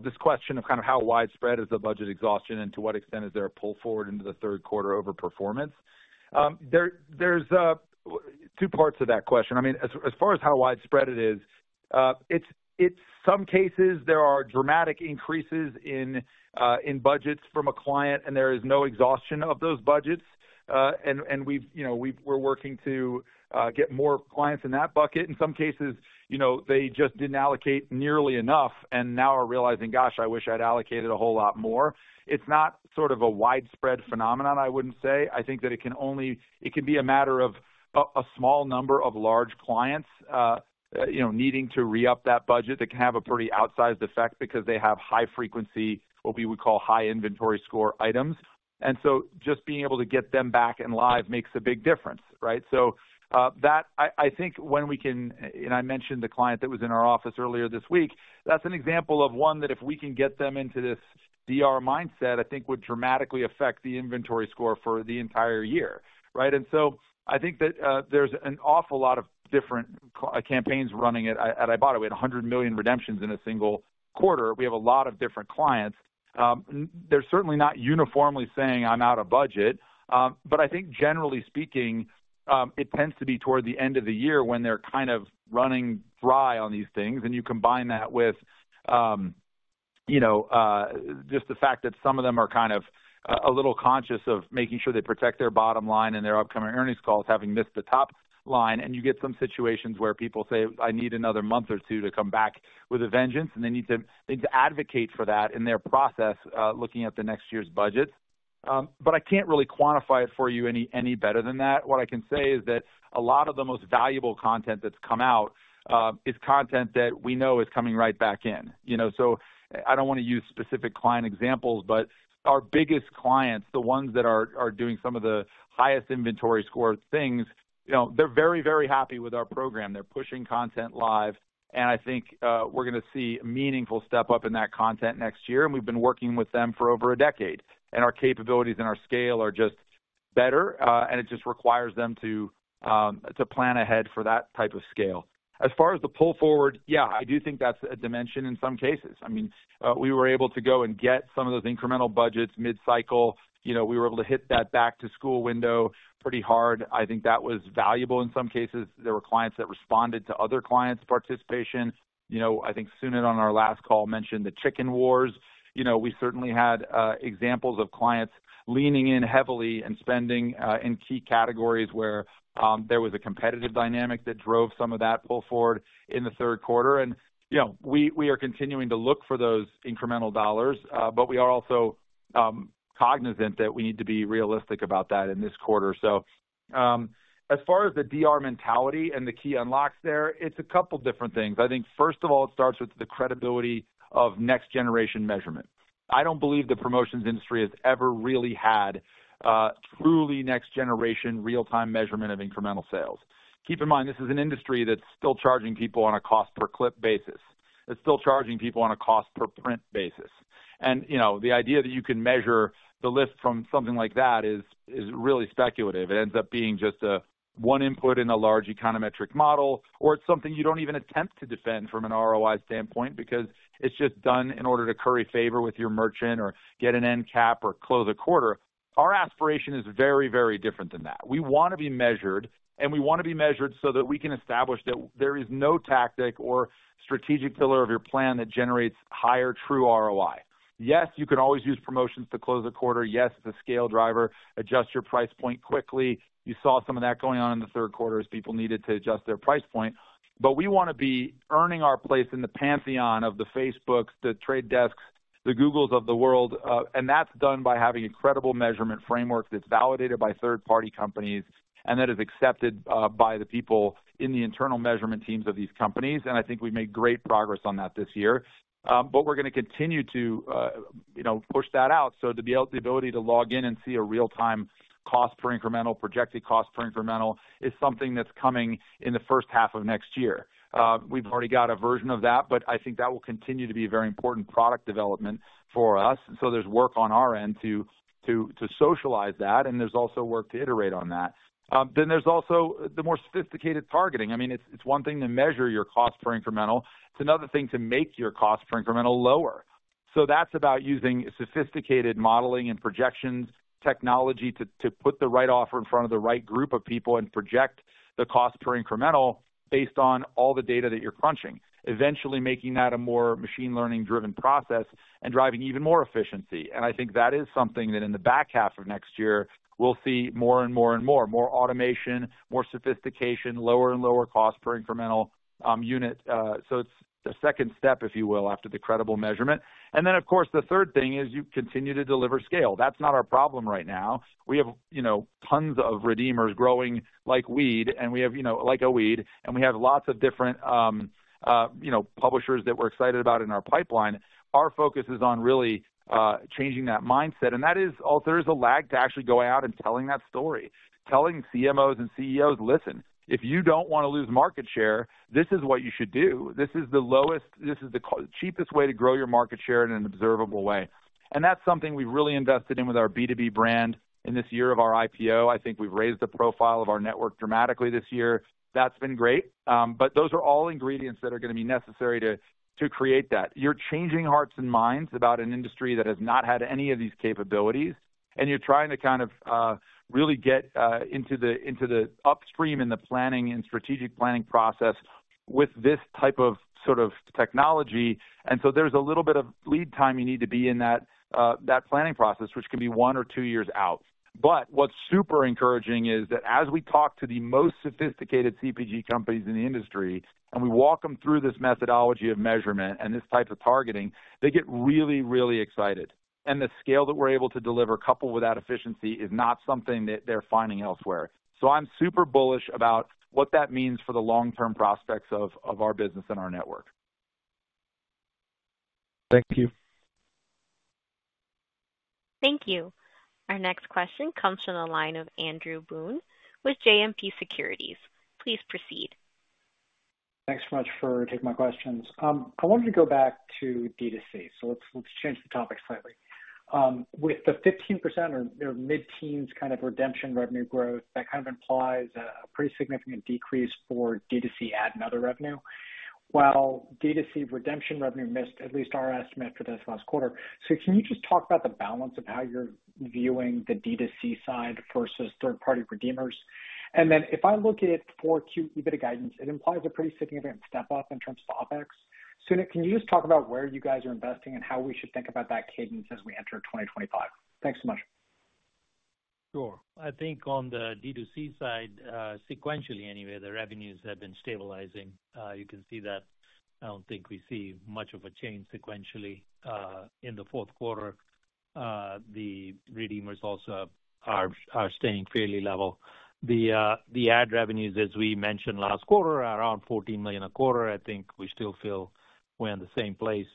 this question of kind of how widespread is the budget exhaustion and to what extent is there a pull forward into the third quarter over performance? There's two parts of that question. I mean, as far as how widespread it is, in some cases, there are dramatic increases in budgets from a client, and there is no exhaustion of those budgets. And we're working to get more clients in that bucket. In some cases, they just didn't allocate nearly enough and now are realizing, "Gosh, I wish I'd allocated a whole lot more." It's not sort of a widespread phenomenon, I wouldn't say. I think that it can be a matter of a small number of large clients needing to re-up that budget that can have a pretty outsized effect because they have high-frequency, what we would call high-inventory score items. And so just being able to get them back and live makes a big difference, right? So I think when we can (and I mentioned the client that was in our office earlier this week) that's an example of one that if we can get them into this DR mindset, I think would dramatically affect the inventory score for the entire year, right? And so I think that there's an awful lot of different campaigns running at Ibotta. We had 100 million redemptions in a single quarter. We have a lot of different clients. They're certainly not uniformly saying, "I'm out of budget." But I think, generally speaking, it tends to be toward the end of the year when they're kind of running dry on these things. And you combine that with just the fact that some of them are kind of a little conscious of making sure they protect their bottom line and their upcoming earnings calls, having missed the top line. And you get some situations where people say, "I need another month or two to come back with a vengeance," and they need to advocate for that in their process looking at the next year's budget. But I can't really quantify it for you any better than that. What I can say is that a lot of the most valuable content that's come out is content that we know is coming right back in. So I don't want to use specific client examples, but our biggest clients, the ones that are doing some of the highest inventory score things, they're very, very happy with our program. They're pushing content live, and I think we're going to see a meaningful step up in that content next year, and we've been working with them for over a decade, and our capabilities and our scale are just better, and it just requires them to plan ahead for that type of scale. As far as the pull forward, yeah, I do think that's a dimension in some cases. I mean, we were able to go and get some of those incremental budgets mid-cycle. We were able to hit that back-to-school window pretty hard. I think that was valuable in some cases. There were clients that responded to other clients' participation. I think Sunit on our last call mentioned the chicken wars. We certainly had examples of clients leaning in heavily and spending in key categories where there was a competitive dynamic that drove some of that pull forward in the third quarter, and we are continuing to look for those incremental dollars, but we are also cognizant that we need to be realistic about that in this quarter, so as far as the DR mentality and the key unlocks there, it's a couple of different things. I think, first of all, it starts with the credibility of next-generation measurement. I don't believe the promotions industry has ever really had truly next-generation real-time measurement of incremental sales. Keep in mind, this is an industry that's still charging people on a cost-per-clip basis. It's still charging people on a cost-per-print basis. And the idea that you can measure the lift from something like that is really speculative. It ends up being just one input in a large econometric model, or it's something you don't even attempt to defend from an ROI standpoint because it's just done in order to curry favor with your merchant or get an end cap or close a quarter. Our aspiration is very, very different than that. We want to be measured, and we want to be measured so that we can establish that there is no tactic or strategic pillar of your plan that generates higher true ROI. Yes, you can always use promotions to close a quarter. Yes, it's a scale driver. Adjust your price point quickly. You saw some of that going on in the third quarter as people needed to adjust their price point. But we want to be earning our place in the pantheon of the Facebooks, The Trade Desks, the Googles of the world, and that's done by having a credible measurement framework that's validated by third-party companies and that is accepted by the people in the internal measurement teams of these companies. And I think we've made great progress on that this year. But we're going to continue to push that out. So the ability to log in and see a real-time cost-per-incremental, projected cost-per-incremental is something that's coming in the first half of next year. We've already got a version of that, but I think that will continue to be a very important product development for us. And so there's work on our end to socialize that, and there's also work to iterate on that. Then there's also the more sophisticated targeting. I mean, it's one thing to measure your cost-per-incremental. It's another thing to make your cost-per-incremental lower. So that's about using sophisticated modeling and projections technology to put the right offer in front of the right group of people and project the cost-per-incremental based on all the data that you're crunching, eventually making that a more machine-learning-driven process and driving even more efficiency. And I think that is something that in the back half of next year, we'll see more and more and more, more automation, more sophistication, lower and lower cost-per-incremental unit. So it's the second step, if you will, after the credible measurement. And then, of course, the third thing is you continue to deliver scale. That's not our problem right now. We have tons of redeemers growing like weeds, and we have lots of different publishers that we're excited about in our pipeline. Our focus is on really changing that mindset, and there is a lag to actually go out and telling that story, telling CMOs and CEOs, "Listen, if you don't want to lose market share, this is what you should do. This is the lowest, this is the cheapest way to grow your market share in an observable way," and that's something we've really invested in with our B2B brand in this year of our IPO. I think we've raised the profile of our network dramatically this year. That's been great, but those are all ingredients that are going to be necessary to create that. You're changing hearts and minds about an industry that has not had any of these capabilities, and you're trying to kind of really get into the upstream in the planning and strategic planning process with this type of sort of technology, and so there's a little bit of lead time you need to be in that planning process, which can be one or two years out, but what's super encouraging is that as we talk to the most sophisticated CPG companies in the industry and we walk them through this methodology of measurement and this type of targeting, they get really, really excited, and the scale that we're able to deliver, coupled with that efficiency, is not something that they're finding elsewhere, so I'm super bullish about what that means for the long-term prospects of our business and our network. Thank you. Thank you. Our next question comes from the line of Andrew Boone with JMP Securities. Please proceed. Thanks so much for taking my questions. I wanted to go back to D2C. So let's change the topic slightly. With the 15% or mid-teens kind of redemption revenue growth, that kind of implies a pretty significant decrease for D2C ad and other revenue, while D2C redemption revenue missed at least our estimate for this last quarter. So can you just talk about the balance of how you're viewing the D2C side versus third-party redeemers? And then if I look at 4Q EBITDA guidance, it implies a pretty significant step up in terms of OPEX. Sunit, can you just talk about where you guys are investing and how we should think about that cadence as we enter 2025? Thanks so much. Sure. I think on the D2C side, sequentially anyway, the revenues have been stabilizing. You can see that. I don't think we see much of a change sequentially in the fourth quarter. The redeemers also are staying fairly level. The ad revenues, as we mentioned last quarter, are around $14 million a quarter. I think we still feel we're in the same place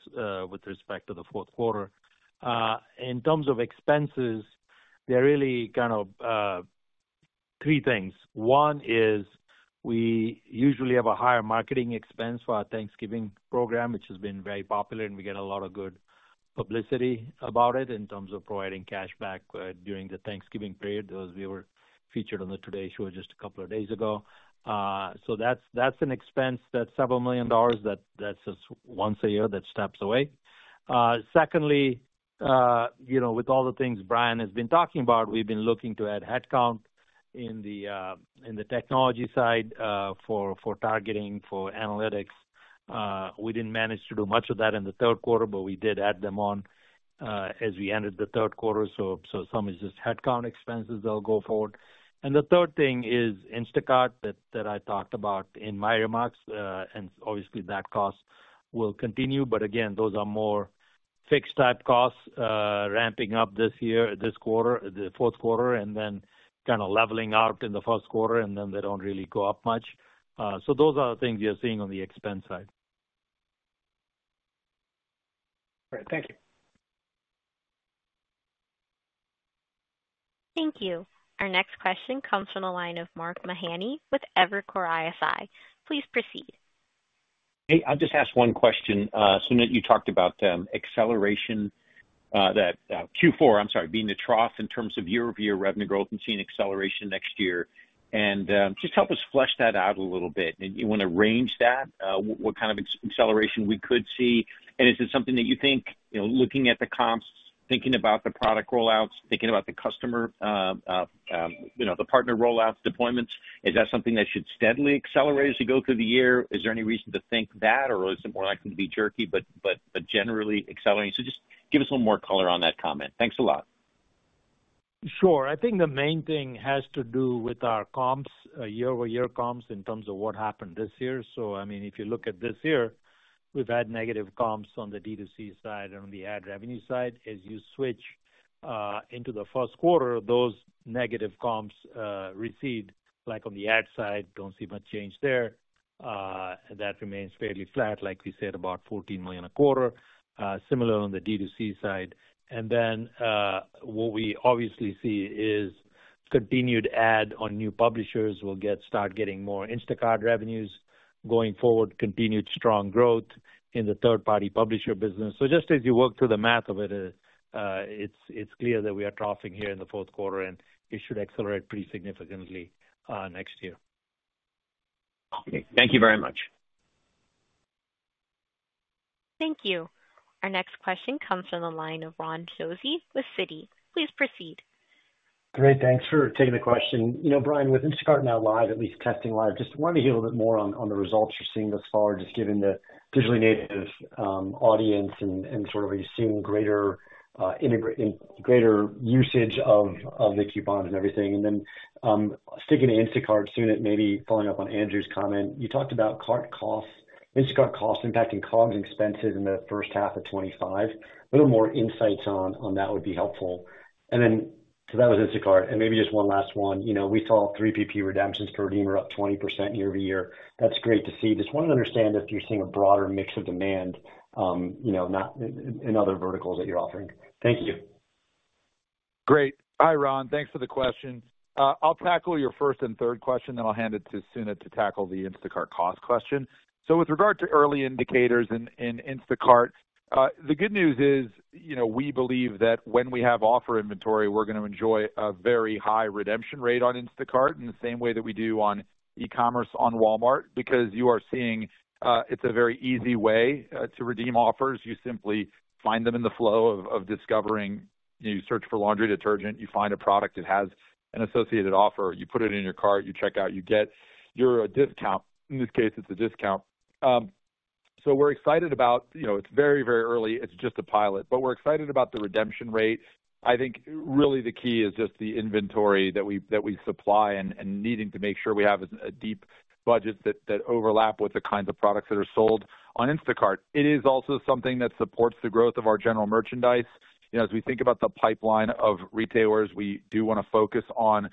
with respect to the fourth quarter. In terms of expenses, there are really kind of three things. One is we usually have a higher marketing expense for our Thanksgiving program, which has been very popular, and we get a lot of good publicity about it in terms of providing cash back during the Thanksgiving period. We were featured on the Today show just a couple of days ago. So that's an expense, that's several million dollars that's just once a year that steps away. Secondly, with all the things Bryan has been talking about, we've been looking to add headcount in the technology side for targeting, for analytics. We didn't manage to do much of that in the third quarter, but we did add them on as we entered the third quarter. So some is just headcount expenses that'll go forward. And the third thing is Instacart that I talked about in my remarks, and obviously that cost will continue. But again, those are more fixed-type costs ramping up this year, this quarter, the fourth quarter, and then kind of leveling out in the first quarter, and then they don't really go up much. So those are the things you're seeing on the expense side. All right. Thank you. Thank you. Our next question comes from the line of Mark Mahaney with Evercore ISI. Please proceed. Hey, I'll just ask one question. Sunit, you talked about acceleration, that Q4, I'm sorry, being the trough in terms of year-over-year revenue growth and seeing acceleration next year. And just help us flesh that out a little bit. And you want to range that, what kind of acceleration we could see? And is it something that you think, looking at the comps, thinking about the product rollouts, thinking about the customer, the partner rollouts, deployments, is that something that should steadily accelerate as we go through the year? Is there any reason to think that, or is it more likely to be jerky, but generally accelerating? So just give us a little more color on that comment. Thanks a lot. Sure. I think the main thing has to do with our comps, year-over-year comps in terms of what happened this year. So I mean, if you look at this year, we've had negative comps on the D2C side and on the ad revenue side. As you switch into the first quarter, those negative comps recede, like on the ad side. Don't see much change there. That remains fairly flat, like we said, about $14 million a quarter, similar on the D2C side. And then what we obviously see is continued adoption of new publishers will start getting more Instacart revenues going forward, continued strong growth in the third-party publisher business. So just as you work through the math of it, it's clear that we are troughing here in the fourth quarter, and it should accelerate pretty significantly next year. Okay. Thank you very much. Thank you. Our next question comes from the line of Ron Josey with Citi. Please proceed. Great. Thanks for taking the question. Bryan, with Instacart now live, at least testing live, just wanted to hear a little bit more on the results you're seeing thus far, just given the digitally native audience and sort of are you seeing greater usage of the coupons and everything? And then sticking to Instacart, Sunit, maybe following up on Andrew's comment, you talked about cart costs, Instacart costs impacting COGS expenses in the first half of 2025. A little more insights on that would be helpful. And then so that was Instacart. And maybe just one last one. We saw 3PP redemptions per redeemer up 20% year-over-year. That's great to see. Just wanted to understand if you're seeing a broader mix of demand, not in other verticals that you're offering. Thank you. Great. Hi, Ron. Thanks for the question. I'll tackle your first and third question, then I'll hand it to Sunit to tackle the Instacart cost question. So with regard to early indicators in Instacart, the good news is we believe that when we have offer inventory, we're going to enjoy a very high redemption rate on Instacart in the same way that we do on e-commerce on Walmart because you are seeing it's a very easy way to redeem offers. You simply find them in the flow of discovering. You search for laundry detergent, you find a product that has an associated offer, you put it in your cart, you check out, you get your discount. In this case, it's a discount. So we're excited about it. It's very, very early. It's just a pilot. But we're excited about the redemption rate. I think really the key is just the inventory that we supply and needing to make sure we have deep budgets that overlap with the kinds of products that are sold on Instacart. It is also something that supports the growth of our general merchandise. As we think about the pipeline of retailers, we do want to focus on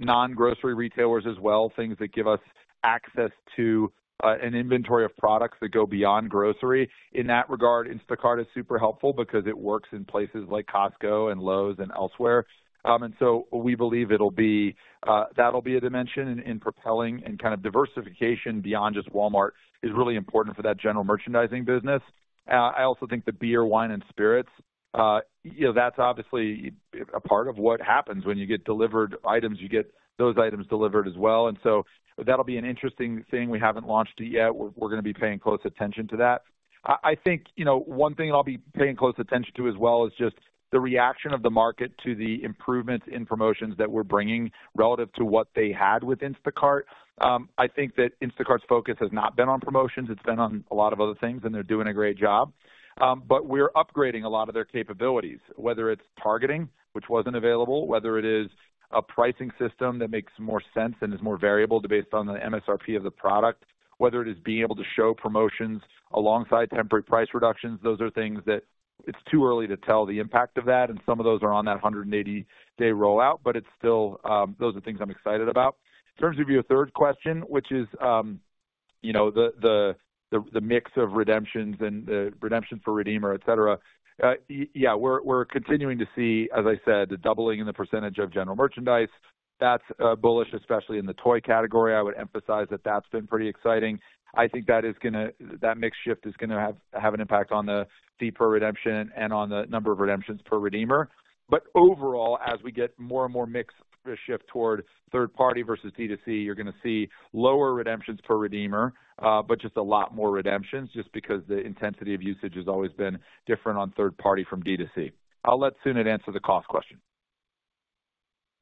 non-grocery retailers as well, things that give us access to an inventory of products that go beyond grocery. In that regard, Instacart is super helpful because it works in places like Costco and Lowe's and elsewhere. And so we believe that'll be a dimension in propelling and kind of diversification beyond just Walmart, is really important for that general merchandising business. I also think the beer, wine, and spirits, that's obviously a part of what happens when you get delivered items. You get those items delivered as well. And so that'll be an interesting thing. We haven't launched it yet. We're going to be paying close attention to that. I think one thing I'll be paying close attention to as well is just the reaction of the market to the improvements in promotions that we're bringing relative to what they had with Instacart. I think that Instacart's focus has not been on promotions. It's been on a lot of other things, and they're doing a great job. But we're upgrading a lot of their capabilities, whether it's targeting, which wasn't available, whether it is a pricing system that makes more sense and is more variable based on the MSRP of the product, whether it is being able to show promotions alongside temporary price reductions. Those are things that it's too early to tell the impact of that, and some of those are on that 180-day rollout, but those are things I'm excited about. In terms of your third question, which is the mix of redemptions and the redemptions per redeemer, etc., yeah, we're continuing to see, as I said, the doubling in the percentage of general merchandise. That's bullish, especially in the toy category. I would emphasize that that's been pretty exciting. I think that mix shift is going to have an impact on the deeper redemption and on the number of redemptions per redeemer. But overall, as we get more and more mix shift toward third-party versus D2C, you're going to see lower redemptions per redeemer, but just a lot more redemptions just because the intensity of usage has always been different on third-party from D2C. I'll let Sunit answer the cost question.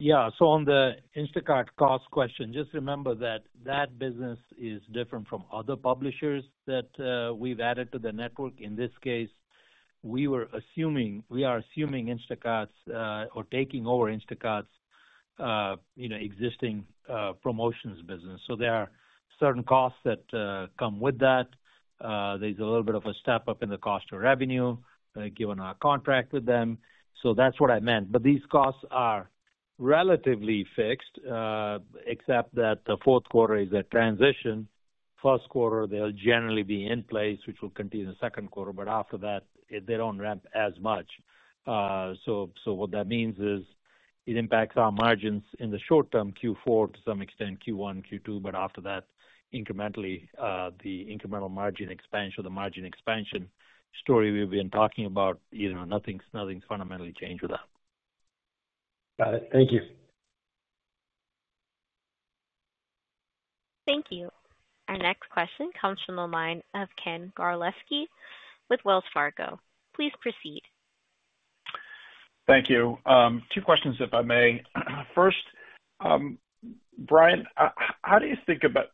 Yeah. So on the Instacart cost question, just remember that that business is different from other publishers that we've added to the network. In this case, we are assuming Instacart's or taking over Instacart's existing promotions business. So there are certain costs that come with that. There's a little bit of a step up in the cost of revenue given our contract with them. So that's what I meant. But these costs are relatively fixed, except that the fourth quarter is a transition. First quarter, they'll generally be in place, which will continue in the second quarter. But after that, they don't ramp as much. So what that means is it impacts our margins in the short term, Q4 to some extent, Q1, Q2, but after that, incrementally, the incremental margin expansion, the margin expansion story we've been talking about, nothing's fundamentally changed with that. Got it. Thank you. Thank you. Our next question comes from the line of Ken Gawrelski with Wells Fargo. Please proceed. Thank you. Two questions, if I may. First, Bryan, how do you think about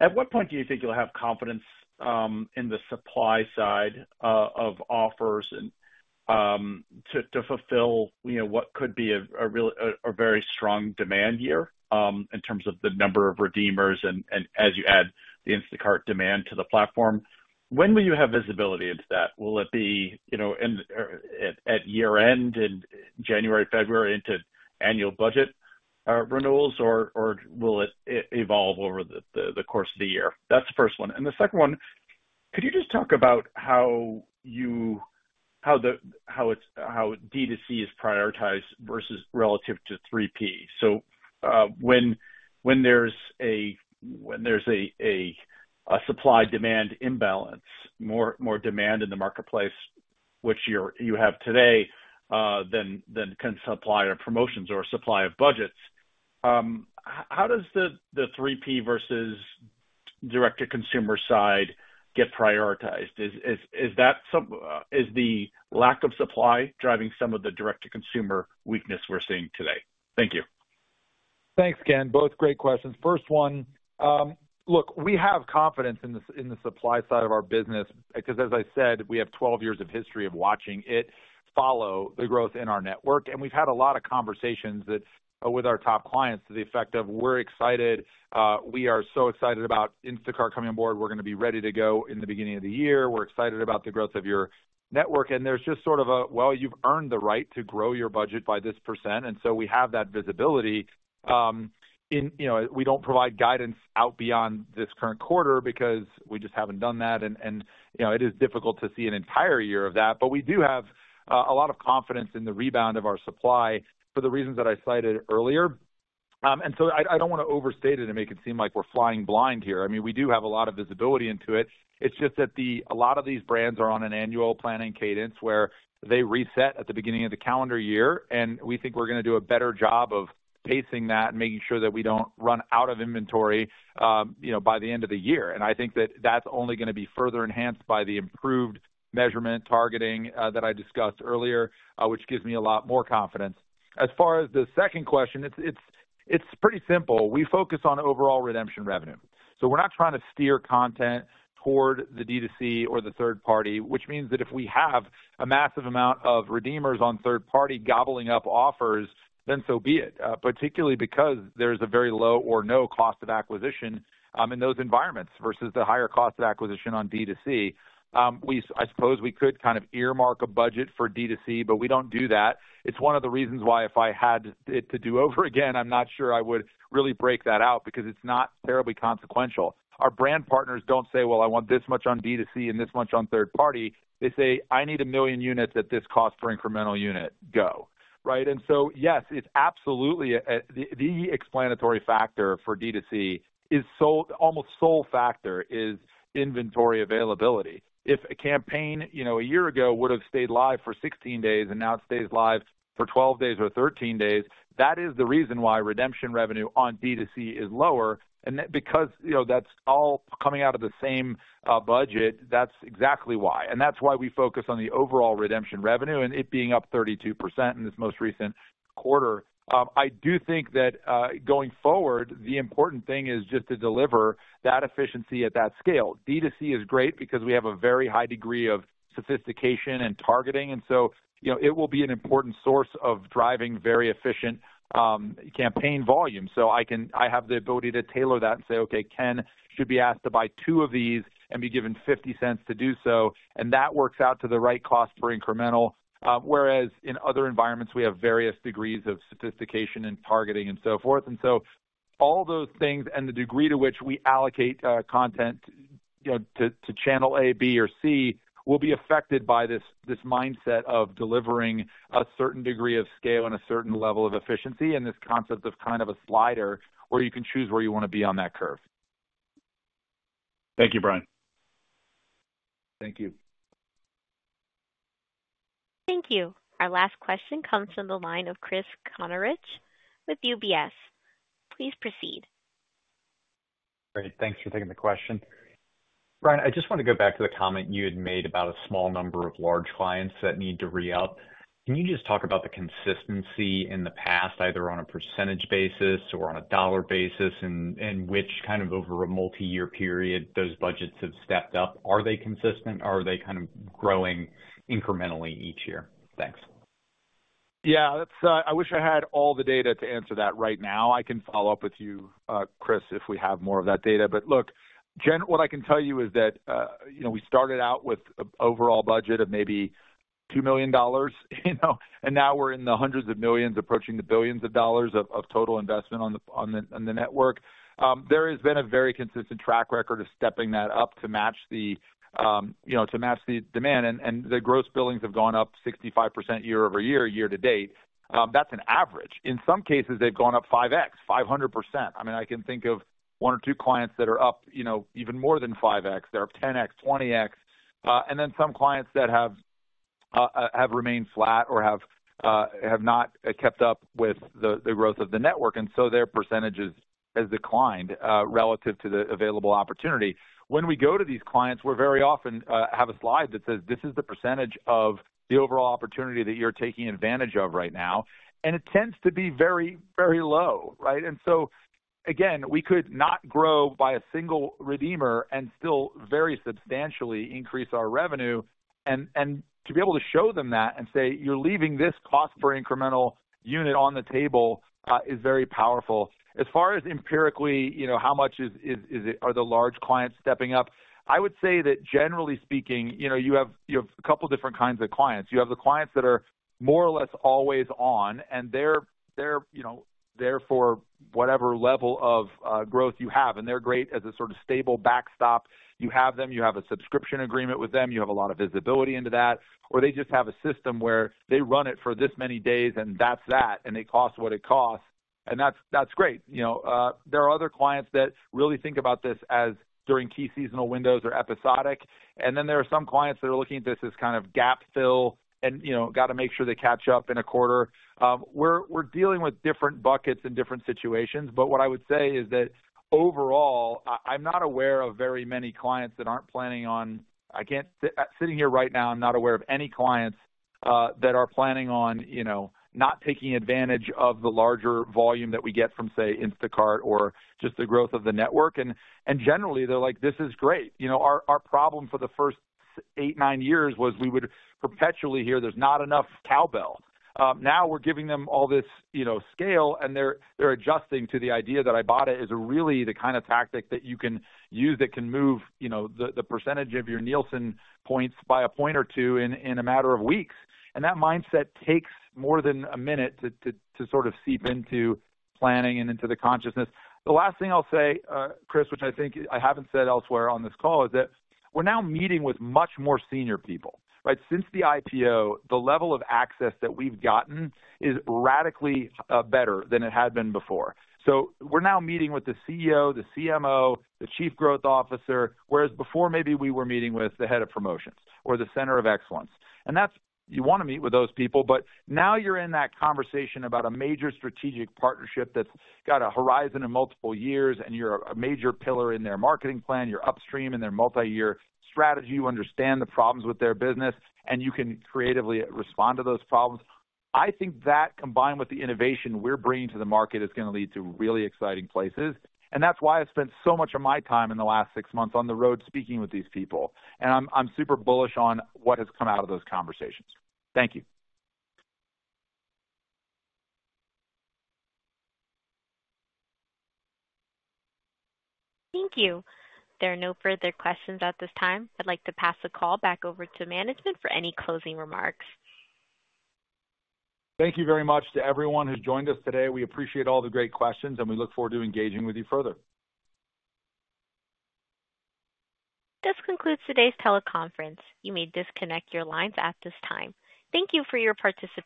at what point do you think you'll have confidence in the supply side of offers to fulfill what could be a very strong demand year in terms of the number of redeemers and, as you add the Instacart demand to the platform? When will you have visibility into that? Will it be at year-end in January, February, into annual budget renewals, or will it evolve over the course of the year? That's the first one. And the second one, could you just talk about how D2C is prioritized relative to 3P? So when there's a supply-demand imbalance, more demand in the marketplace, which you have today, then kind of supply of promotions or supply of budgets, how does the 3P versus direct-to-consumer side get prioritized? Is the lack of supply driving some of the direct-to-consumer weakness we're seeing today? Thank you. Thanks, Ken. Both great questions. First one, look, we have confidence in the supply side of our business because, as I said, we have 12 years of history of watching it follow the growth in our network. And we've had a lot of conversations with our top clients to the effect of, "We're excited. We are so excited about Instacart coming on board. We're going to be ready to go in the beginning of the year. We're excited about the growth of your network," and there's just sort of a, "Well, you've earned the right to grow your budget by this percent," and so we have that visibility. We don't provide guidance out beyond this current quarter because we just haven't done that, and it is difficult to see an entire year of that, but we do have a lot of confidence in the rebound of our supply for the reasons that I cited earlier, and so I don't want to overstate it and make it seem like we're flying blind here. I mean, we do have a lot of visibility into it. It's just that a lot of these brands are on an annual planning cadence where they reset at the beginning of the calendar year. We think we're going to do a better job of pacing that and making sure that we don't run out of inventory by the end of the year. I think that that's only going to be further enhanced by the improved measurement targeting that I discussed earlier, which gives me a lot more confidence. As far as the second question, it's pretty simple. We focus on overall redemption revenue. We're not trying to steer content toward the D2C or the third party, which means that if we have a massive amount of redeemers on third party gobbling up offers, then so be it, particularly because there's a very low or no cost of acquisition in those environments versus the higher cost of acquisition on D2C. I suppose we could kind of earmark a budget for D2C, but we don't do that. It's one of the reasons why if I had it to do over again, I'm not sure I would really break that out because it's not terribly consequential. Our brand partners don't say, "Well, I want this much on D2C and this much on third party." They say, "I need a million units at this cost per incremental unit. Go." Right? And so, yes, it's absolutely the explanatory factor for D2C. [It] is almost sole factor [and that] is inventory availability. If a campaign a year ago would have stayed live for 16 days and now it stays live for 12 days or 13 days, that is the reason why redemption revenue on D2C is lower. And because that's all coming out of the same budget, that's exactly why. And that's why we focus on the overall redemption revenue and it being up 32% in this most recent quarter. I do think that going forward, the important thing is just to deliver that efficiency at that scale. D2C is great because we have a very high degree of sophistication and targeting, and so it will be an important source of driving very efficient campaign volume, so I have the ability to tailor that and say, "Okay, Ken should be asked to buy two of these and be given $0.50 to do so." And that works out to the right cost per incremental. Whereas in other environments, we have various degrees of sophistication and targeting and so forth. And so all those things and the degree to which we allocate content to channel A, B, or C will be affected by this mindset of delivering a certain degree of scale and a certain level of efficiency and this concept of kind of a slider where you can choose where you want to be on that curve. Thank you, Bryan. Thank you. Thank you. Our last question comes from the line of Chris Kuntarich with UBS. Please proceed. Great. Thanks for taking the question. Bryan, I just want to go back to the comment you had made about a small number of large clients that need to re-up. Can you just talk about the consistency in the past, either on a percentage basis or on a dollar basis, in which kind of over a multi-year period those budgets have stepped up? Are they consistent? Are they kind of growing incrementally each year? Thanks. Yeah. I wish I had all the data to answer that right now. I can follow up with you, Chris, if we have more of that data. But look, again, what I can tell you is that we started out with an overall budget of maybe $2 million, and now we're in the hundreds of millions approaching the billions of dollars of total investment on the network. There has been a very consistent track record of stepping that up to match the demand. And the gross billings have gone up 65% year over year, year to date. That's an average. In some cases, they've gone up 5x, 500%. I mean, I can think of one or two clients that are up even more than 5x. They're up 10x, 20x. And then some clients that have remained flat or have not kept up with the growth of the network. And so their percentage has declined relative to the available opportunity. When we go to these clients, we very often have a slide that says, "This is the percentage of the overall opportunity that you're taking advantage of right now." And it tends to be very, very low. Right? And so, again, we could not grow by a single redeemer and still very substantially increase our revenue. And to be able to show them that and say, "You're leaving this cost per incremental unit on the table," is very powerful. As far as empirically, how much are the large clients stepping up? I would say that, generally speaking, you have a couple of different kinds of clients. You have the clients that are more or less always on, and they're there for whatever level of growth you have. And they're great as a sort of stable backstop. You have them. You have a subscription agreement with them. You have a lot of visibility into that. Or they just have a system where they run it for this many days, and that's that, and it costs what it costs. And that's great. There are other clients that really think about this as during key seasonal windows or episodic. And then there are some clients that are looking at this as kind of gap fill and got to make sure they catch up in a quarter. We're dealing with different buckets in different situations. But what I would say is that overall, I'm not aware of very many clients that aren't planning on sitting here right now. I'm not aware of any clients that are planning on not taking advantage of the larger volume that we get from, say, Instacart or just the growth of the network. And generally, they're like, "This is great." Our problem for the first eight, nine years was we would perpetually hear, "There's not enough cowbell." Now we're giving them all this scale, and they're adjusting to the idea that Ibotta is really the kind of tactic that you can use that can move the percentage of your Nielsen points by a point or two in a matter of weeks. And that mindset takes more than a minute to sort of seep into planning and into the consciousness. The last thing I'll say, Chris, which I think I haven't said elsewhere on this call, is that we're now meeting with much more senior people. Right? Since the IPO, the level of access that we've gotten is radically better than it had been before. So we're now meeting with the CEO, the CMO, the Chief Growth Officer, whereas before maybe we were meeting with the head of promotions or the center of excellence. And you want to meet with those people, but now you're in that conversation about a major strategic partnership that's got a horizon of multiple years, and you're a major pillar in their marketing plan. You're upstream in their multi-year strategy. You understand the problems with their business, and you can creatively respond to those problems. I think that combined with the innovation we're bringing to the market is going to lead to really exciting places. And that's why I spent so much of my time in the last six months on the road speaking with these people. And I'm super bullish on what has come out of those conversations. Thank you. Thank you. There are no further questions at this time. I'd like to pass the call back over to management for any closing remarks. Thank you very much to everyone who joined us today. We appreciate all the great questions, and we look forward to engaging with you further. This concludes today's teleconference. You may disconnect your lines at this time. Thank you for your participation.